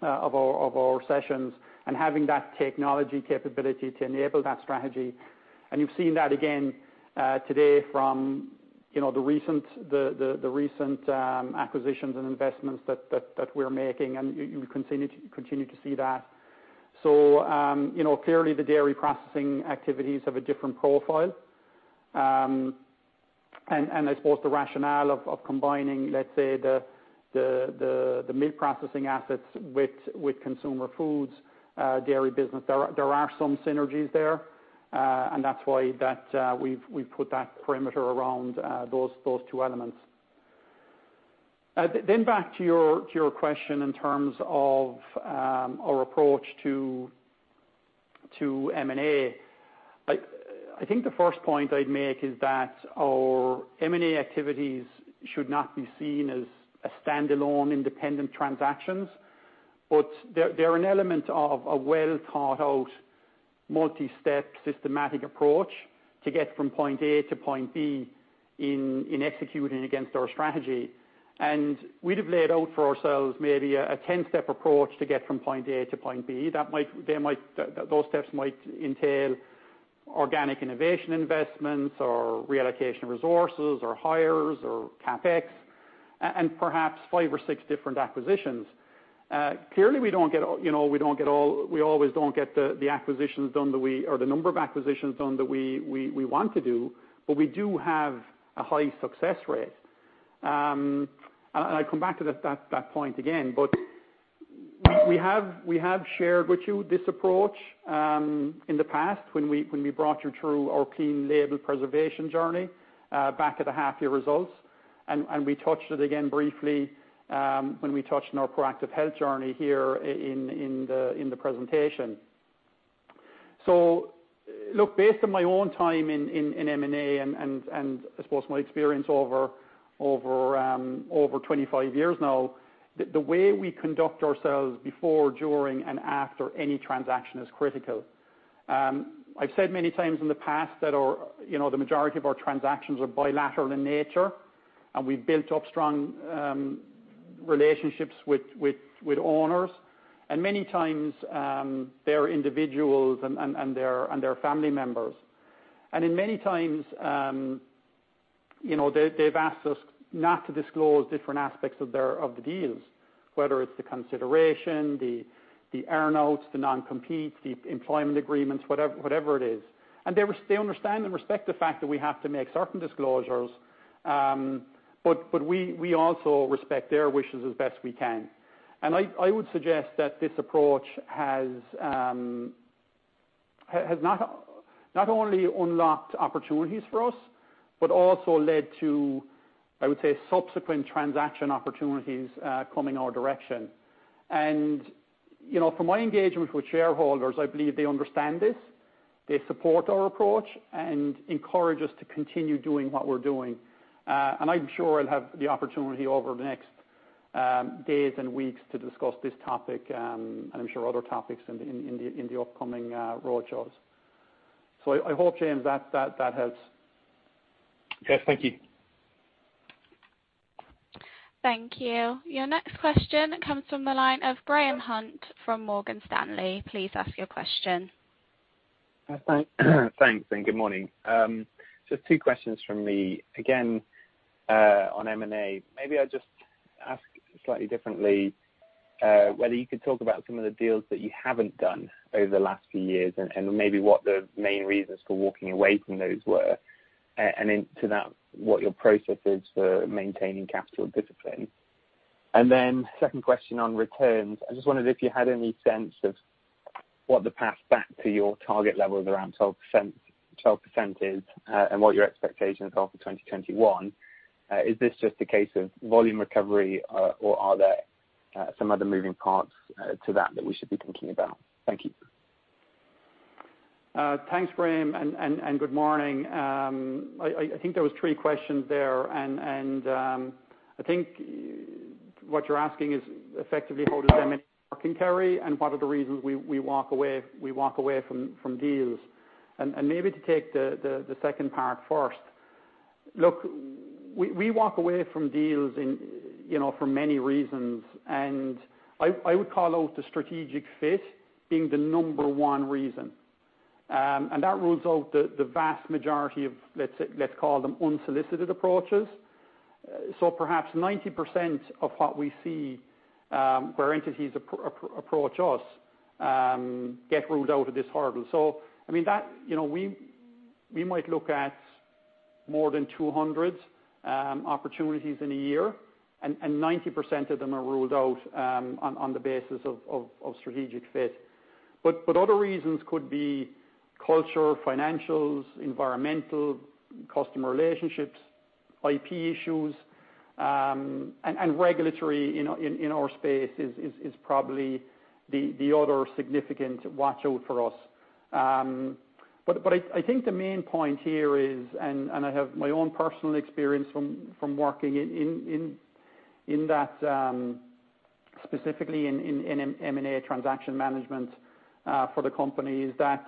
of our sessions, and having that technology capability to enable that strategy. You've seen that again today from the recent acquisitions and investments that we're making, and you continue to see that. Clearly the dairy processing activities have a different profile. I suppose the rationale of combining, let's say, the milk processing assets with Consumer Foods dairy business, there are some synergies there. That's why we've put that perimeter around those two elements. Back to your question in terms of our approach to M&A. I think the first point I'd make is that our M&A activities should not be seen as standalone independent transactions, but they're an element of a well-thought-out, multi-step, systematic approach to get from point A to point B in executing against our strategy. We'd have laid out for ourselves maybe a 10-step approach to get from point A to point B. Those steps might entail organic innovation investments or reallocation of resources or hires or CapEx, and perhaps five or six different acquisitions. Clearly, we always don't get the number of acquisitions done that we want to do, but we do have a high success rate. I come back to that point again, but we have shared with you this approach in the past when we brought you through our clean label preservation journey back at the half-year results, and we touched it again briefly when we touched on our proactive health journey here in the presentation. Look, based on my own time in M&A and I suppose my experience over 25 years now, the way we conduct ourselves before, during, and after any transaction is critical. I've said many times in the past that the majority of our transactions are bilateral in nature, and we've built up strong relationships with owners. Many times, they are individuals and they're family members. In many times, they've asked us not to disclose different aspects of the deals, whether it's the consideration, the earn-outs, the non-competes, the employment agreements, whatever it is. They understand and respect the fact that we have to make certain disclosures, but we also respect their wishes as best we can. I would suggest that this approach has not only unlocked opportunities for us, but also led to, I would say, subsequent transaction opportunities coming our direction. From my engagement with shareholders, I believe they understand this, they support our approach, and encourage us to continue doing what we're doing. I'm sure I'll have the opportunity over the next days and weeks to discuss this topic, and I'm sure other topics in the upcoming roadshows. I hope, James, that helps. Yes, thank you. Thank you. Your next question comes from the line of Graham Hunt from Morgan Stanley. Please ask your question. Thanks. Thanks, and good morning. Just two questions from me. Again, on M&A. Maybe I will just ask slightly differently, whether you could talk about some of the deals that you haven't done over the last few years, and maybe what the main reasons for walking away from those were. Into that, what your process is for maintaining capital discipline. Then second question on returns. I just wondered if you had any sense of what the path back to your target level of around 12% is, and what your expectations are for 2021. Is this just a case of volume recovery or are there some other moving parts to that we should be thinking about? Thank you. Thanks, Graham, and good morning. I think there was three questions there, I think what you're asking is effectively how does M&A work in Kerry, and what are the reasons we walk away from deals. Maybe to take the second part first. Look, we walk away from deals for many reasons, I would call out the strategic fit being the number one reason. That rules out the vast majority of, let's call them unsolicited approaches. Perhaps 90% of what we see where entities approach us get ruled out of this hurdle. We might look at more than 200 opportunities in a year, and 90% of them are ruled out on the basis of strategic fit. Other reasons could be culture, financials, environmental, customer relationships, IP issues, and regulatory in our space is probably the other significant watch-out for us. I think the main point here is, and I have my own personal experience from working in that, specifically in M&A transaction management for the company is that,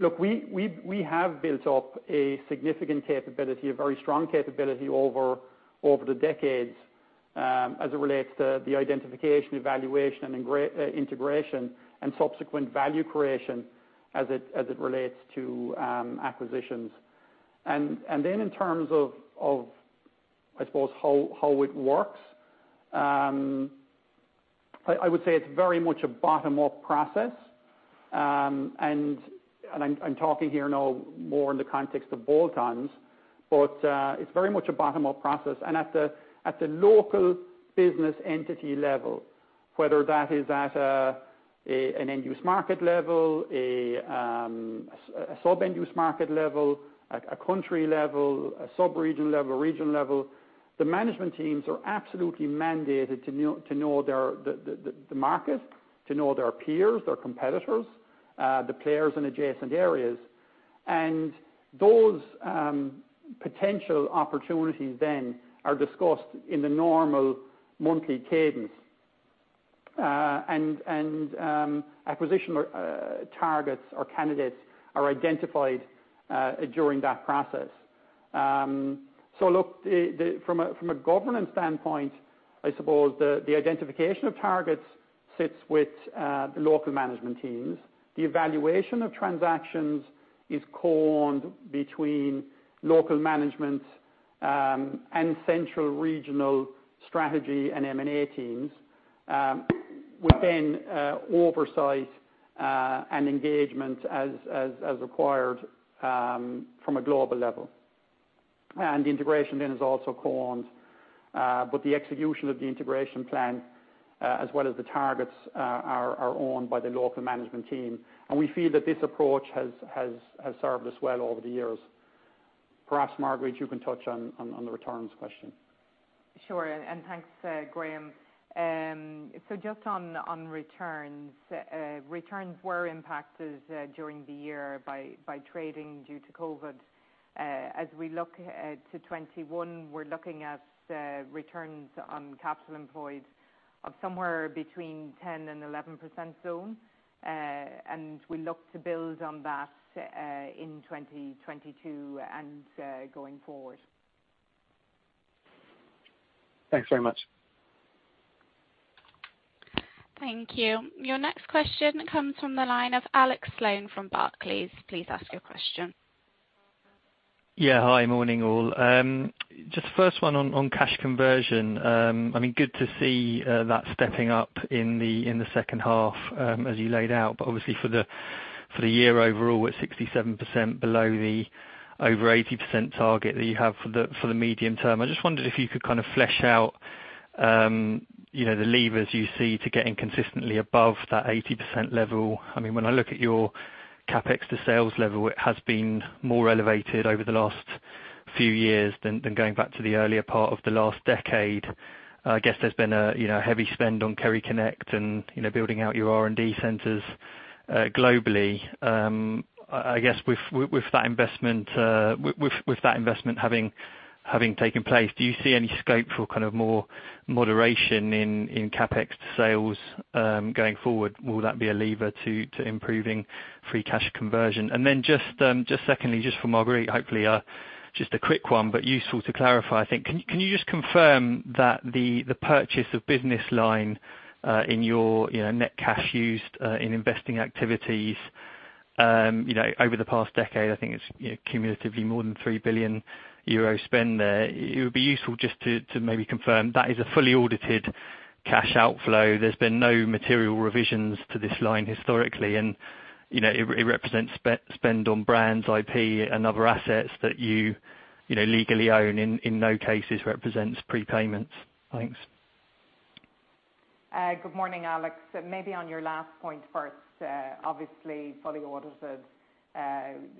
look, we have built up a significant capability, a very strong capability over the decades as it relates to the identification, evaluation, and integration, and subsequent value creation as it relates to acquisitions. In terms of, I suppose, how it works, I would say it's very much a bottom-up process. I'm talking here now more in the context of bolt-ons. It's very much a bottom-up process. At the local business entity level, whether that is at an end-use market level, a sub-end-use market level, a country level, a sub-region level, region level. The management teams are absolutely mandated to know the market, to know their peers, their competitors, the players in adjacent areas, and those potential opportunities then are discussed in the normal monthly cadence. Acquisition targets or candidates are identified during that process. Look, from a governance standpoint, I suppose the identification of targets sits with the local management teams. The evaluation of transactions is co-owned between local management and central regional strategy and M&A teams, within oversight and engagement as required from a global level. The integration then is also co-owned. The execution of the integration plan, as well as the targets, are owned by the local management team. We feel that this approach has served us well over the years. Perhaps, Marguerite, you can touch on the returns question. Sure, thanks, Graham. Just on returns were impacted during the year by trading due to COVID. As we look to 2021, we're looking at returns on capital employed of somewhere between 10% and 11% zone. We look to build on that in 2022 and going forward. Thanks very much. Thank you. Your next question comes from the line of Alex Sloane from Barclays. Please ask your question. Yeah. Hi, morning all. Just the first one on cash conversion. Good to see that stepping up in the second half as you laid out, but obviously for the year overall, we're 67% below the over 80% target that you have for the medium term. I just wondered if you could kind of flesh out the levers you see to getting consistently above that 80% level. When I look at your CapEx to sales level, it has been more elevated over the last few years than going back to the earlier part of the last decade. I guess there's been a heavy spend on KerryConnect and building out your R&D centers globally. I guess with that investment having taken place, do you see any scope for more moderation in CapEx to sales going forward? Will that be a lever to improving free cash conversion? Just secondly, just for Marguerite, hopefully just a quick one, but useful to clarify, I think. Can you just confirm that the purchase of business line in your net cash used in investing activities over the past decade, I think it is cumulatively more than 3 billion euros spend there. It would be useful just to maybe confirm that is a fully audited cash outflow. There has been no material revisions to this line historically, and it represents spend on brands, IP, and other assets that you legally own, in no cases represents prepayments. Thanks. Good morning, Alex. Maybe on your last point first. Obviously, fully audited,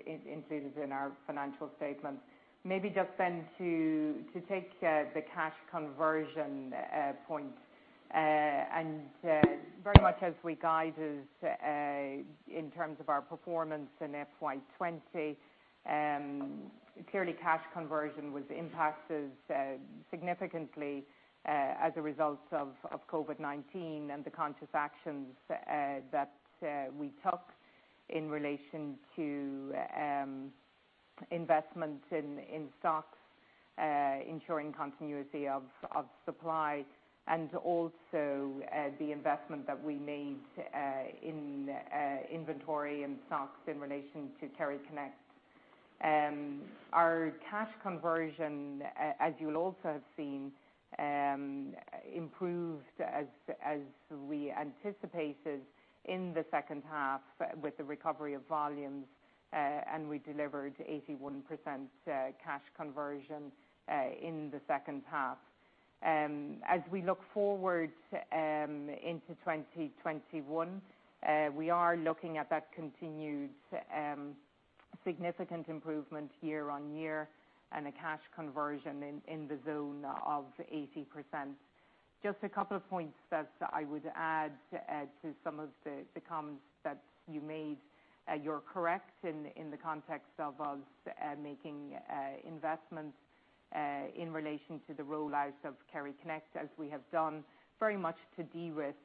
included in our financial statements. Maybe just then to take the cash conversion point. Very much as we guided in terms of our performance in FY20, clearly cash conversion was impacted significantly as a result of COVID-19 and the conscious actions that we took in relation to investment in stocks, ensuring continuity of supply, and also the investment that we made in inventory and stocks in relation to KerryConnect. Our cash conversion, as you'll also have seen, improved as we anticipated in the second half with the recovery of volumes, and we delivered 81% cash conversion in the second half. As we look forward into 2021, we are looking at that continued significant improvement year on year and a cash conversion in the zone of 80%. Just a couple of points that I would add to some of the comments that you made. You're correct in the context of us making investments in relation to the roll-out of KerryConnect, as we have done very much to de-risk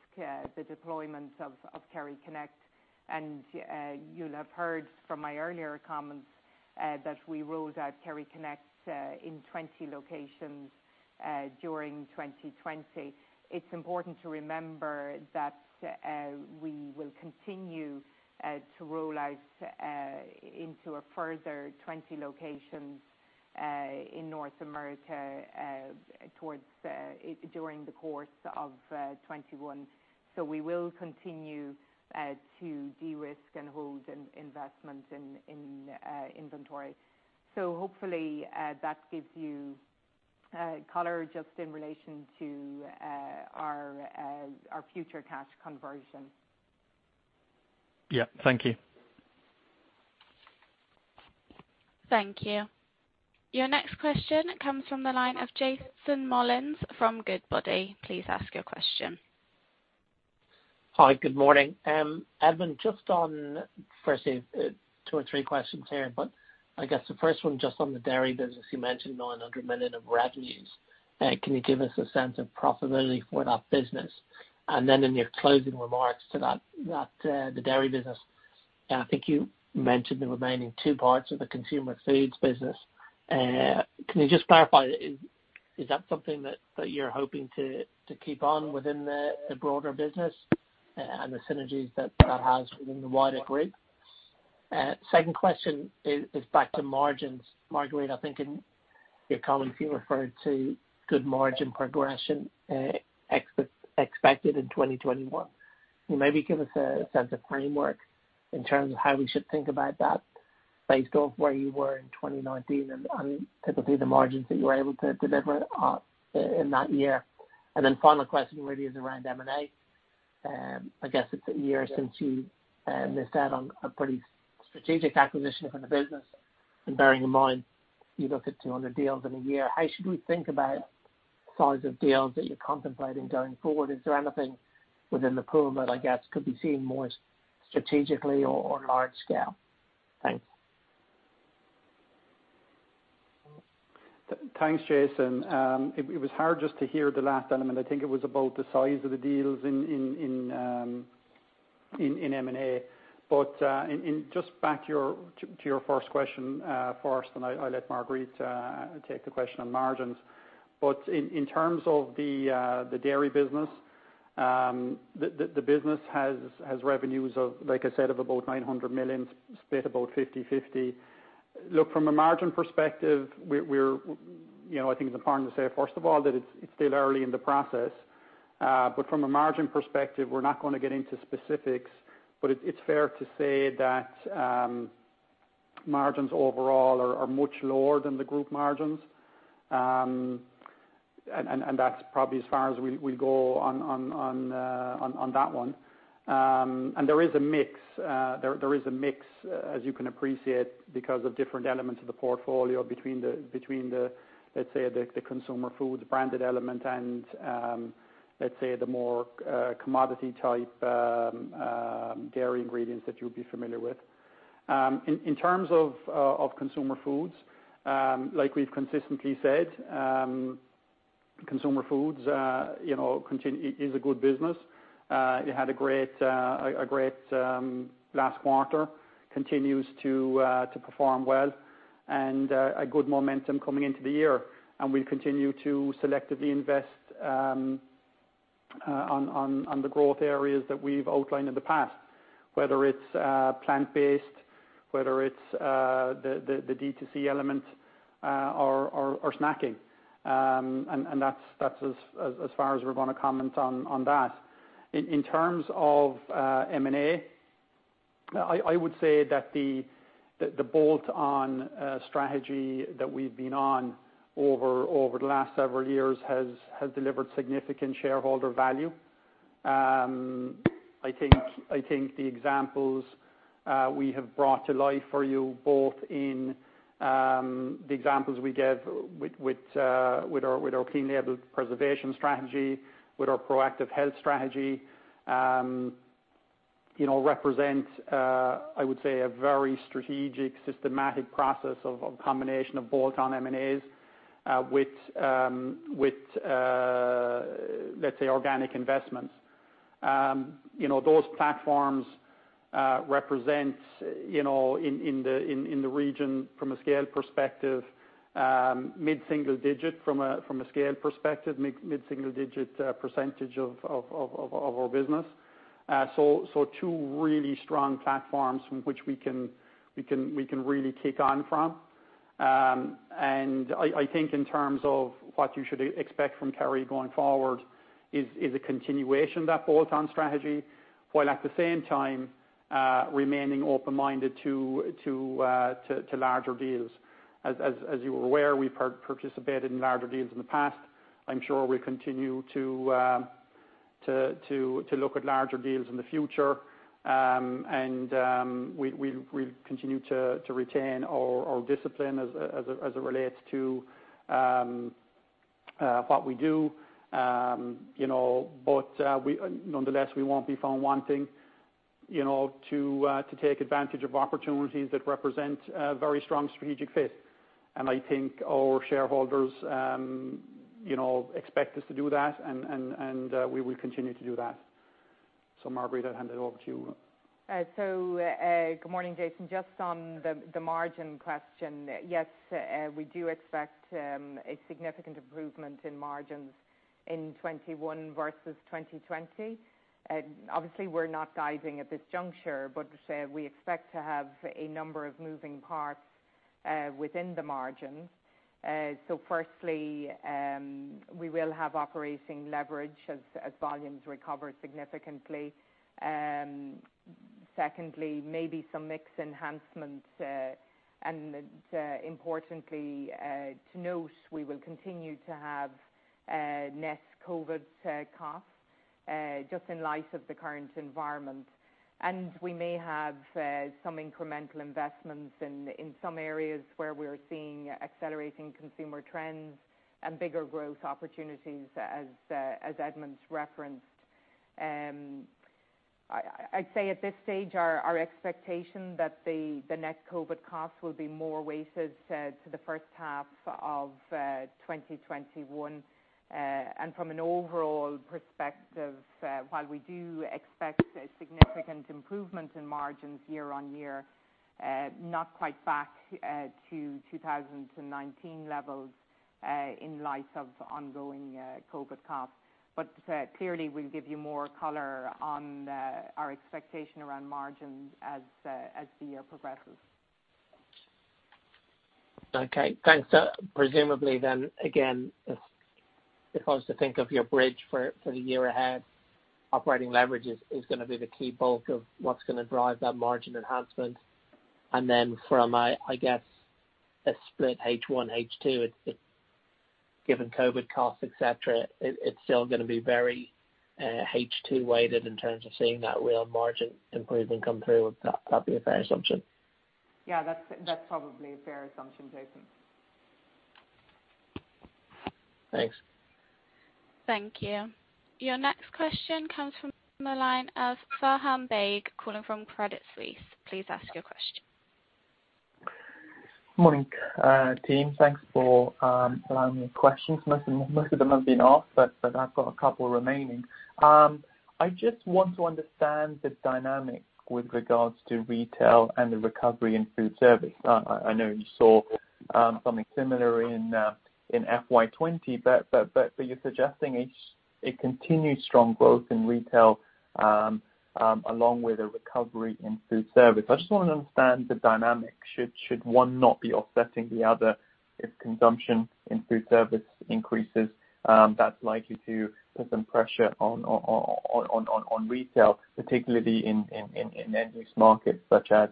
the deployment of KerryConnect. You'll have heard from my earlier comments that we rolled out KerryConnect in 20 locations during 2020. It's important to remember that we will continue to roll out into a further 20 locations in North America during the course of 2021. We will continue to de-risk and hold investment in inventory. Hopefully, that gives you color just in relation to our future cash conversion. Yeah. Thank you. Thank you. Your next question comes from the line of Jason Molins from Goodbody. Please ask your question. Hi, good morning. Edmond, firstly, two or three questions here, I guess the first one just on the dairy business, you mentioned 900 million of revenues. Can you give us a sense of profitability for that business? Then in your closing remarks to the dairy business, I think you mentioned the remaining two parts of the Consumer Foods business. Can you just clarify, is that something that you're hoping to keep on within the broader business and the synergies that that has within the wider group? Second question is back to margins. Marguerite, I think, and your colleagues here referred to good margin progression expected in 2021. Can you maybe give us a sense of framework in terms of how we should think about that based off where you were in 2019 and typically the margins that you were able to deliver in that year? Final question really is around M&A. I guess it's a year since you missed out on a pretty strategic acquisition for the business, and bearing in mind you look at 200 deals in a year, how should we think about size of deals that you're contemplating going forward? Is there anything within the pool that I guess could be seen more strategically or large scale? Thanks. Thanks, Jason. It was hard just to hear the last element. I think it was about the size of the deals in M&A. Just back to your first question first, then I'll let Marguerite take the question on margins. In terms of the dairy business, the business has revenues of, like I said, of about 900 million, split about 50/50. Look, from a margin perspective, I think it's important to say, first of all, that it's still early in the process. From a margin perspective, we're not going to get into specifics, but it's fair to say that margins overall are much lower than the group margins. That's probably as far as we go on that one. There is a mix. There is a mix, as you can appreciate, because of different elements of the portfolio between the, let's say, the Consumer Foods branded element and, let's say, the more commodity type dairy ingredients that you'll be familiar with. In terms of Consumer Foods, like we've consistently said, Consumer Foods is a good business. It had a great last quarter, continues to perform well, and a good momentum coming into the year. We'll continue to selectively invest on the growth areas that we've outlined in the past, whether it's plant-based, whether it's the D2C element or snacking. That's as far as we're going to comment on that. In terms of M&A, I would say that the bolt-on strategy that we've been on over the last several years has delivered significant shareholder value. I think the examples we have brought to life for you, both in the examples we give with our clean label preservation strategy, with our proactive health strategy, represent, I would say, a very strategic, systematic process of a combination of bolt-on M&As with, let's say, organic investments. Those platforms represent, in the region from a scale perspective, mid-single digit from a scale perspective, mid-single digit percentage of our business. Two really strong platforms from which we can really take on from. I think in terms of what you should expect from Kerry going forward is a continuation of that bolt-on strategy, while at the same time remaining open-minded to larger deals. As you were aware, we participated in larger deals in the past. I'm sure we'll continue to look at larger deals in the future. We'll continue to retain our discipline as it relates to what we do. Nonetheless, we won't be found wanting to take advantage of opportunities that represent a very strong strategic fit. I think our shareholders expect us to do that, and we will continue to do that. Marguerite, I'll hand it over to you. Good morning, Jason. Just on the margin question, yes, we do expect a significant improvement in margins in 2021 versus 2020. Obviously, we're not guiding at this juncture, we expect to have a number of moving parts within the margins. Firstly, we will have operating leverage as volumes recover significantly. Secondly, maybe some mix enhancements. Importantly to note, we will continue to have net COVID costs just in light of the current environment. We may have some incremental investments in some areas where we're seeing accelerating consumer trends and bigger growth opportunities as Edmond referenced. I'd say at this stage, our expectation that the net COVID costs will be more weighted to the first half of 2021. From an overall perspective, while we do expect a significant improvement in margins year-over-year, not quite back to 2019 levels in light of ongoing COVID costs. Clearly, we'll give you more color on our expectation around margins as the year progresses. Okay, thanks. Presumably then, again, if I was to think of your bridge for the year ahead, operating leverage is going to be the key bulk of what's going to drive that margin enhancement. From, I guess, a split H1, H2, given COVID costs, et cetera, it's still going to be very H2 weighted in terms of seeing that real margin improvement come through. Would that be a fair assumption? Yeah, that's probably a fair assumption, Jason. Thanks. Thank you. Your next question comes from the line of Faham Baig calling from Credit Suisse. Please ask your question. Morning, team. Thanks for allowing me questions. Most of them have been asked. I've got a couple remaining. I just want to understand the dynamic with regards to retail and the recovery in food service. I know you saw something similar in FY 2020. You're suggesting a continued strong growth in retail along with a recovery in food service. I just want to understand the dynamic. Should one not be offsetting the other? If consumption in food service increases, that's likely to put some pressure on retail, particularly in end use markets such as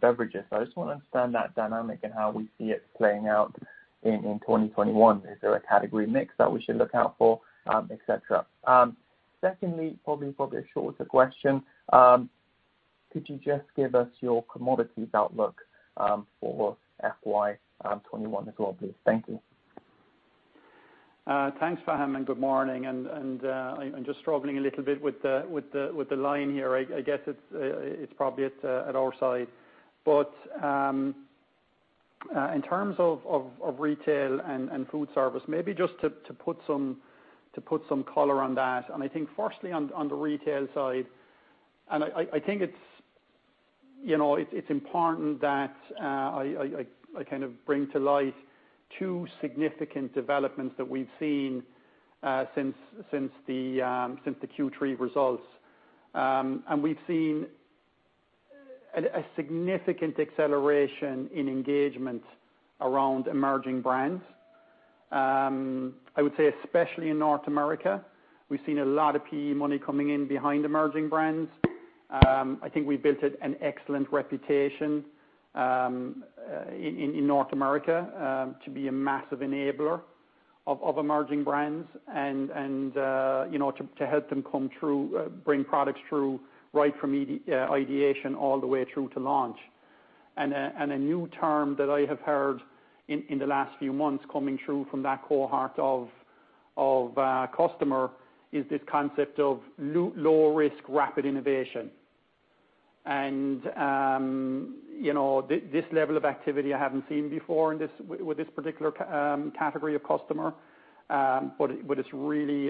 beverages. I just want to understand that dynamic and how we see it playing out in 2021. Is there a category mix that we should look out for, et cetera? Secondly, probably a shorter question. Could you just give us your commodities outlook for FY 2021 as well, please? Thank you. Thanks, Faham, and good morning. I'm just struggling a little bit with the line here. I guess it's probably at our side. In terms of retail and food service, maybe just to put some color on that. I think firstly on the retail side, I think it's important that I kind of bring to light two significant developments that we've seen since the Q3 results. We've seen a significant acceleration in engagement around emerging brands. I would say especially in North America, we've seen a lot of PE money coming in behind emerging brands. I think we built an excellent reputation in North America to be a massive enabler of emerging brands and to help them bring products through right from ideation all the way through to launch. A new term that I have heard in the last few months coming through from that cohort of customer is this concept of low risk rapid innovation. This level of activity I haven't seen before with this particular category of customer. It's really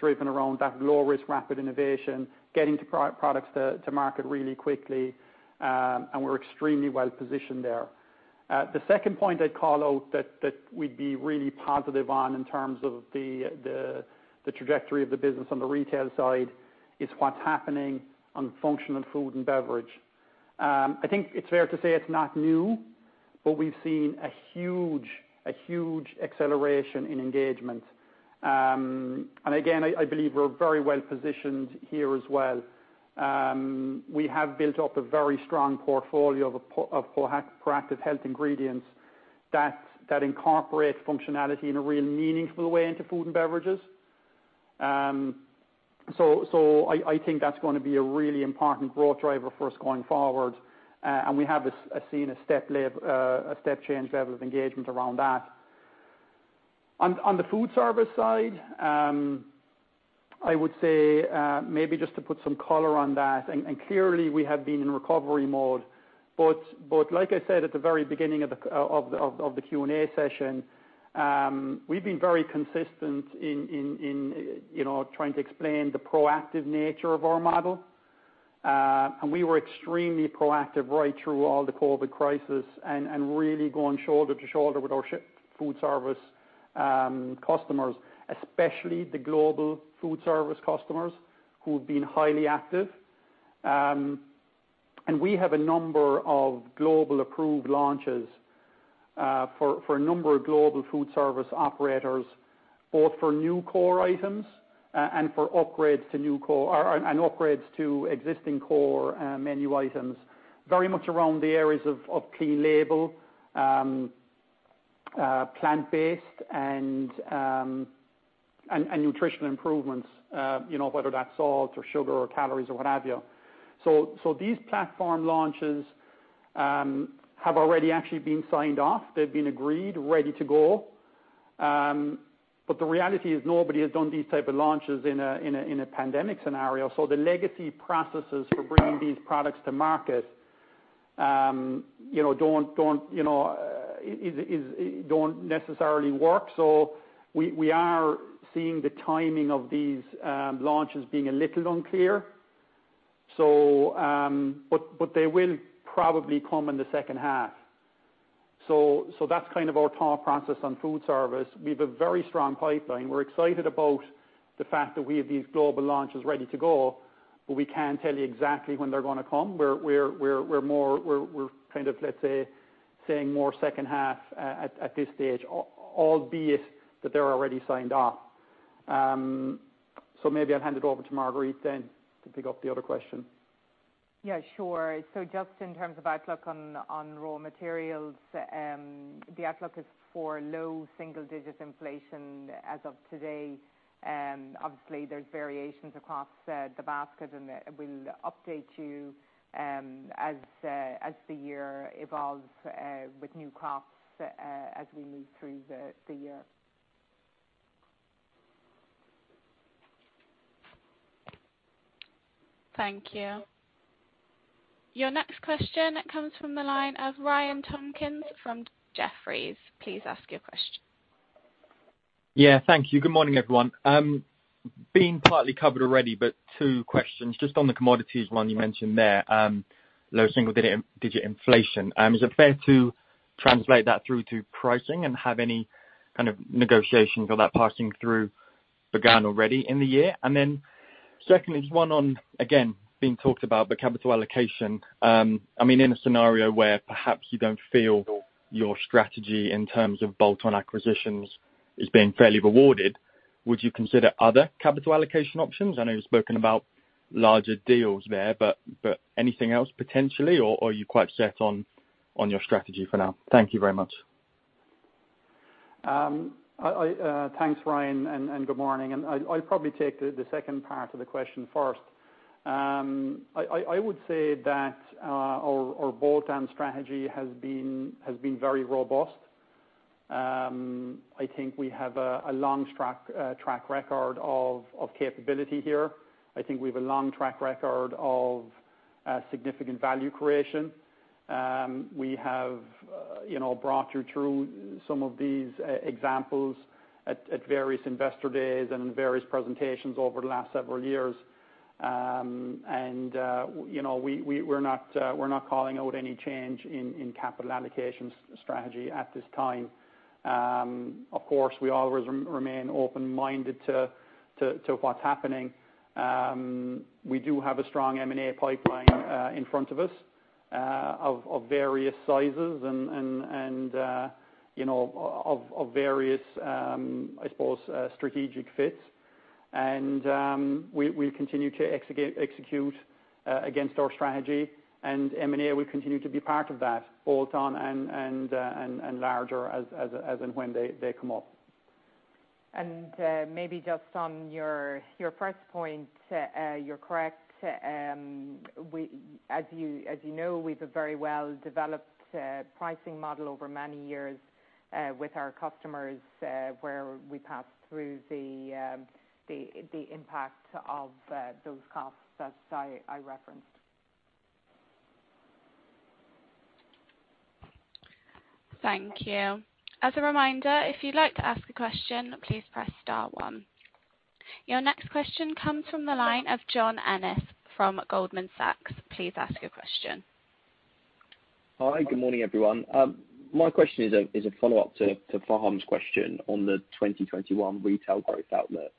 driven around that low risk rapid innovation, getting products to market really quickly, and we're extremely well positioned there. The second point I'd call out that we'd be really positive on in terms of the trajectory of the business on the retail side is what's happening on functional food and beverage. I think it's fair to say it's not new, but we've seen a huge acceleration in engagement. Again, I believe we're very well positioned here as well. We have built up a very strong portfolio of proactive health ingredients that incorporate functionality in a real meaningful way into food and beverages. I think that's going to be a really important growth driver for us going forward. We have seen a step change level of engagement around that. On the food service side, I would say, maybe just to put some color on that, clearly we have been in recovery mode, but like I said at the very beginning of the Q&A session, we've been very consistent in trying to explain the proactive nature of our model. We were extremely proactive right through all the COVID crisis and really going shoulder to shoulder with our food service customers, especially the global food service customers who have been highly active. We have a number of global approved launches for a number of global foodservice operators, both for new core items and upgrades to existing core menu items, very much around the areas of clean label plant-based and nutritional improvements, whether that's salt or sugar or calories or what have you. These platform launches have already actually been signed off. They've been agreed, ready to go. The reality is nobody has done these type of launches in a pandemic scenario, so the legacy processes for bringing these products to market don't necessarily work. We are seeing the timing of these launches being a little unclear. They will probably come in the second half. That's kind of our thought process on foodservice. We've a very strong pipeline. We're excited about the fact that we have these global launches ready to go. We can't tell you exactly when they're going to come. We're, let's say, saying more second half at this stage, albeit that they're already signed off. Maybe I'll hand it over to Marguerite then to pick up the other question. Yeah, sure. Just in terms of outlook on raw materials, the outlook is for low single-digit inflation as of today. Obviously, there's variations across the basket, and we'll update you as the year evolves with new crops as we move through the year. Thank you. Your next question comes from the line of Ryan Tomkins from Jefferies. Please ask your question. Yeah. Thank you. Good morning, everyone. Been partly covered already, but two questions. Just on the commodities one you mentioned there, low single-digit inflation. Is it fair to translate that through to pricing and have any kind of negotiations or that passing through begun already in the year? Secondly, just one on, again, being talked about, but capital allocation. In a scenario where perhaps you don't feel your strategy in terms of bolt-on acquisitions is being fairly rewarded, would you consider other capital allocation options? I know you've spoken about larger deals there, but anything else potentially, or are you quite set on your strategy for now? Thank you very much. Thanks, Ryan. Good morning. I'll probably take the second part of the question first. I would say that our bolt-on strategy has been very robust. I think we have a long track record of capability here. I think we've a long track record of significant value creation. We have brought you through some of these examples at various investor days and in various presentations over the last several years. We're not calling out any change in capital allocation strategy at this time. Of course, we always remain open-minded to what's happening. We do have a strong M&A pipeline in front of us of various sizes and of various, I suppose strategic fits. We continue to execute against our strategy, and M&A will continue to be part of that bolt-on and larger as and when they come up. Maybe just on your first point, you're correct. As you know, we've a very well-developed pricing model over many years with our customers, where we pass through the impact of those costs as I referenced. Thank you. As a reminder, if you'd like to ask a question, please press star one. Your next question comes from the line of John Ennis from Goldman Sachs. Please ask your question. Hi. Good morning, everyone. My question is a follow-up to Faham's question on the 2021 retail growth outlook.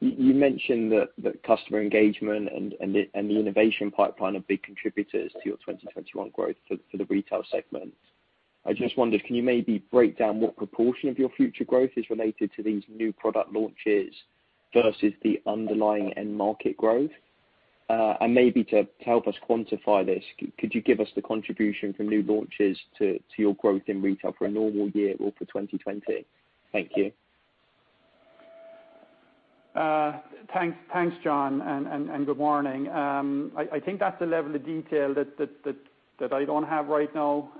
You mentioned that customer engagement and the innovation pipeline are big contributors to your 2021 growth for the retail segment. I just wondered, can you maybe break down what proportion of your future growth is related to these new product launches versus the underlying end market growth? Maybe to help us quantify this, could you give us the contribution from new launches to your growth in retail for a normal year or for 2020? Thank you. Thanks, John, and good morning. I think that's the level of detail that I don't have right now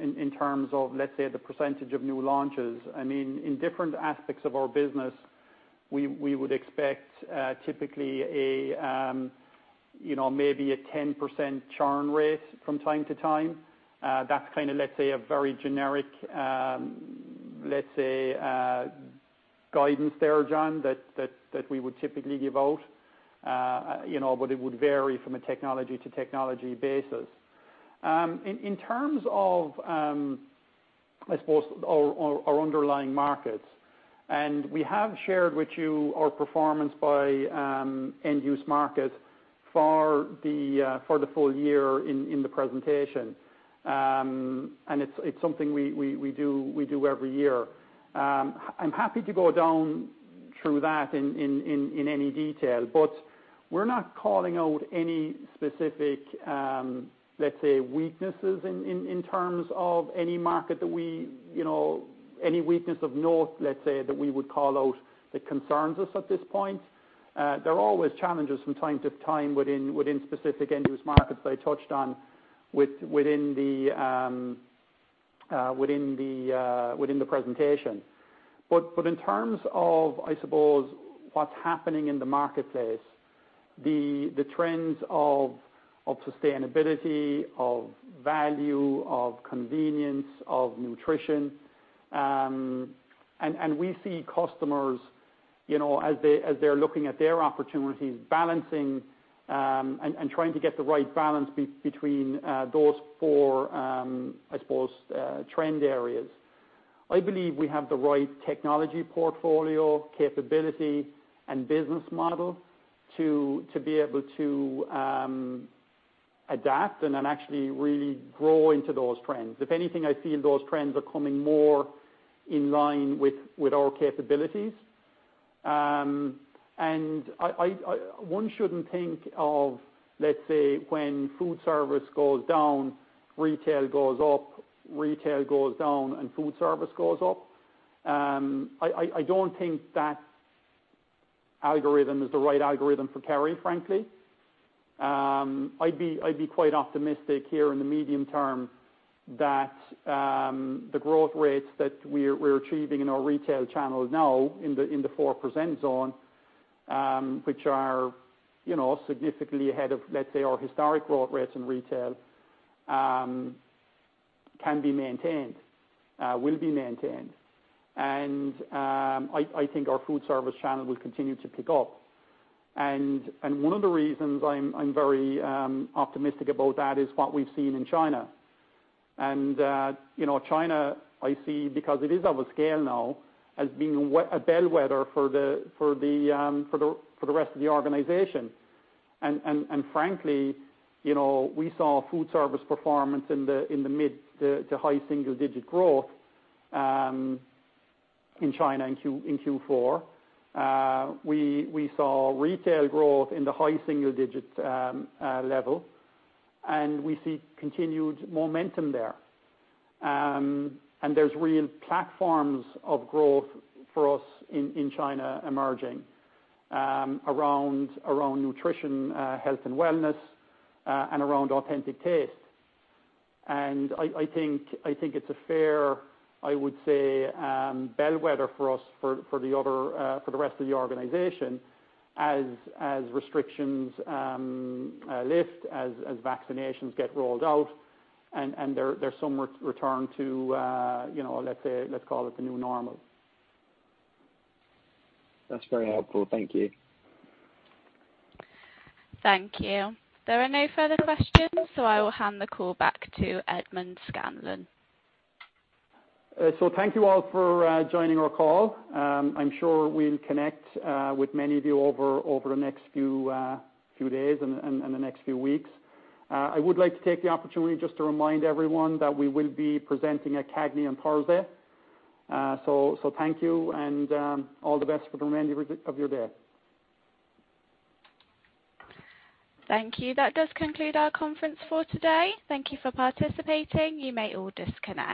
in terms of, let's say, the % of new launches. In different aspects of our business, we would expect typically maybe a 10% churn rate from time to time. That's kind of, let's say, a very generic guidance there, John, that we would typically give out. It would vary from a technology-to-technology basis. In terms of, I suppose our underlying markets, we have shared with you our performance by end use market for the full year in the presentation. It's something we do every year. I'm happy to go down through that in any detail, we're not calling out any specific, let's say, weaknesses in terms of any market, any weakness of note, let's say, that we would call out that concerns us at this point. There are always challenges from time to time within specific end-use markets that I touched on within the presentation. In terms of, I suppose, what's happening in the marketplace, the trends of sustainability, of value, of convenience, of nutrition, and we see customers, as they're looking at their opportunities, balancing and trying to get the right balance between those four, I suppose, trend areas. I believe we have the right technology portfolio, capability, and business model to be able to adapt and then actually really grow into those trends. If anything, I feel those trends are coming more in line with our capabilities. One shouldn't think of, let's say, when food service goes down, retail goes up, retail goes down, and food service goes up. I don't think that algorithm is the right algorithm for Kerry, frankly. I'd be quite optimistic here in the medium term that the growth rates that we're achieving in our retail channel now, in the 4% zone, which are significantly ahead of, let's say, our historic growth rates in retail, can be maintained, will be maintained. I think our food service channel will continue to pick up. One of the reasons I'm very optimistic about that is what we've seen in China. China, I see, because it is of a scale now, as being a bellwether for the rest of the organization. Frankly, we saw food service performance in the mid to high single digit growth in China in Q4. We saw retail growth in the high single digits level, and we see continued momentum there. There's real platforms of growth for us in China emerging around nutrition, health and wellness, and around authentic taste. I think it's a fair, I would say, bellwether for us for the rest of the organization as restrictions lift, as vaccinations get rolled out, and there's some return to, let's call it the new normal. That's very helpful. Thank you. Thank you. There are no further questions, so I will hand the call back to Edmond Scanlon. Thank you all for joining our call. I'm sure we'll connect with many of you over the next few days and the next few weeks. I would like to take the opportunity just to remind everyone that we will be presenting at CAGNY on Thursday. Thank you, and all the best for the remainder of your day. Thank you. That does conclude our conference for today. Thank you for participating. You may all disconnect.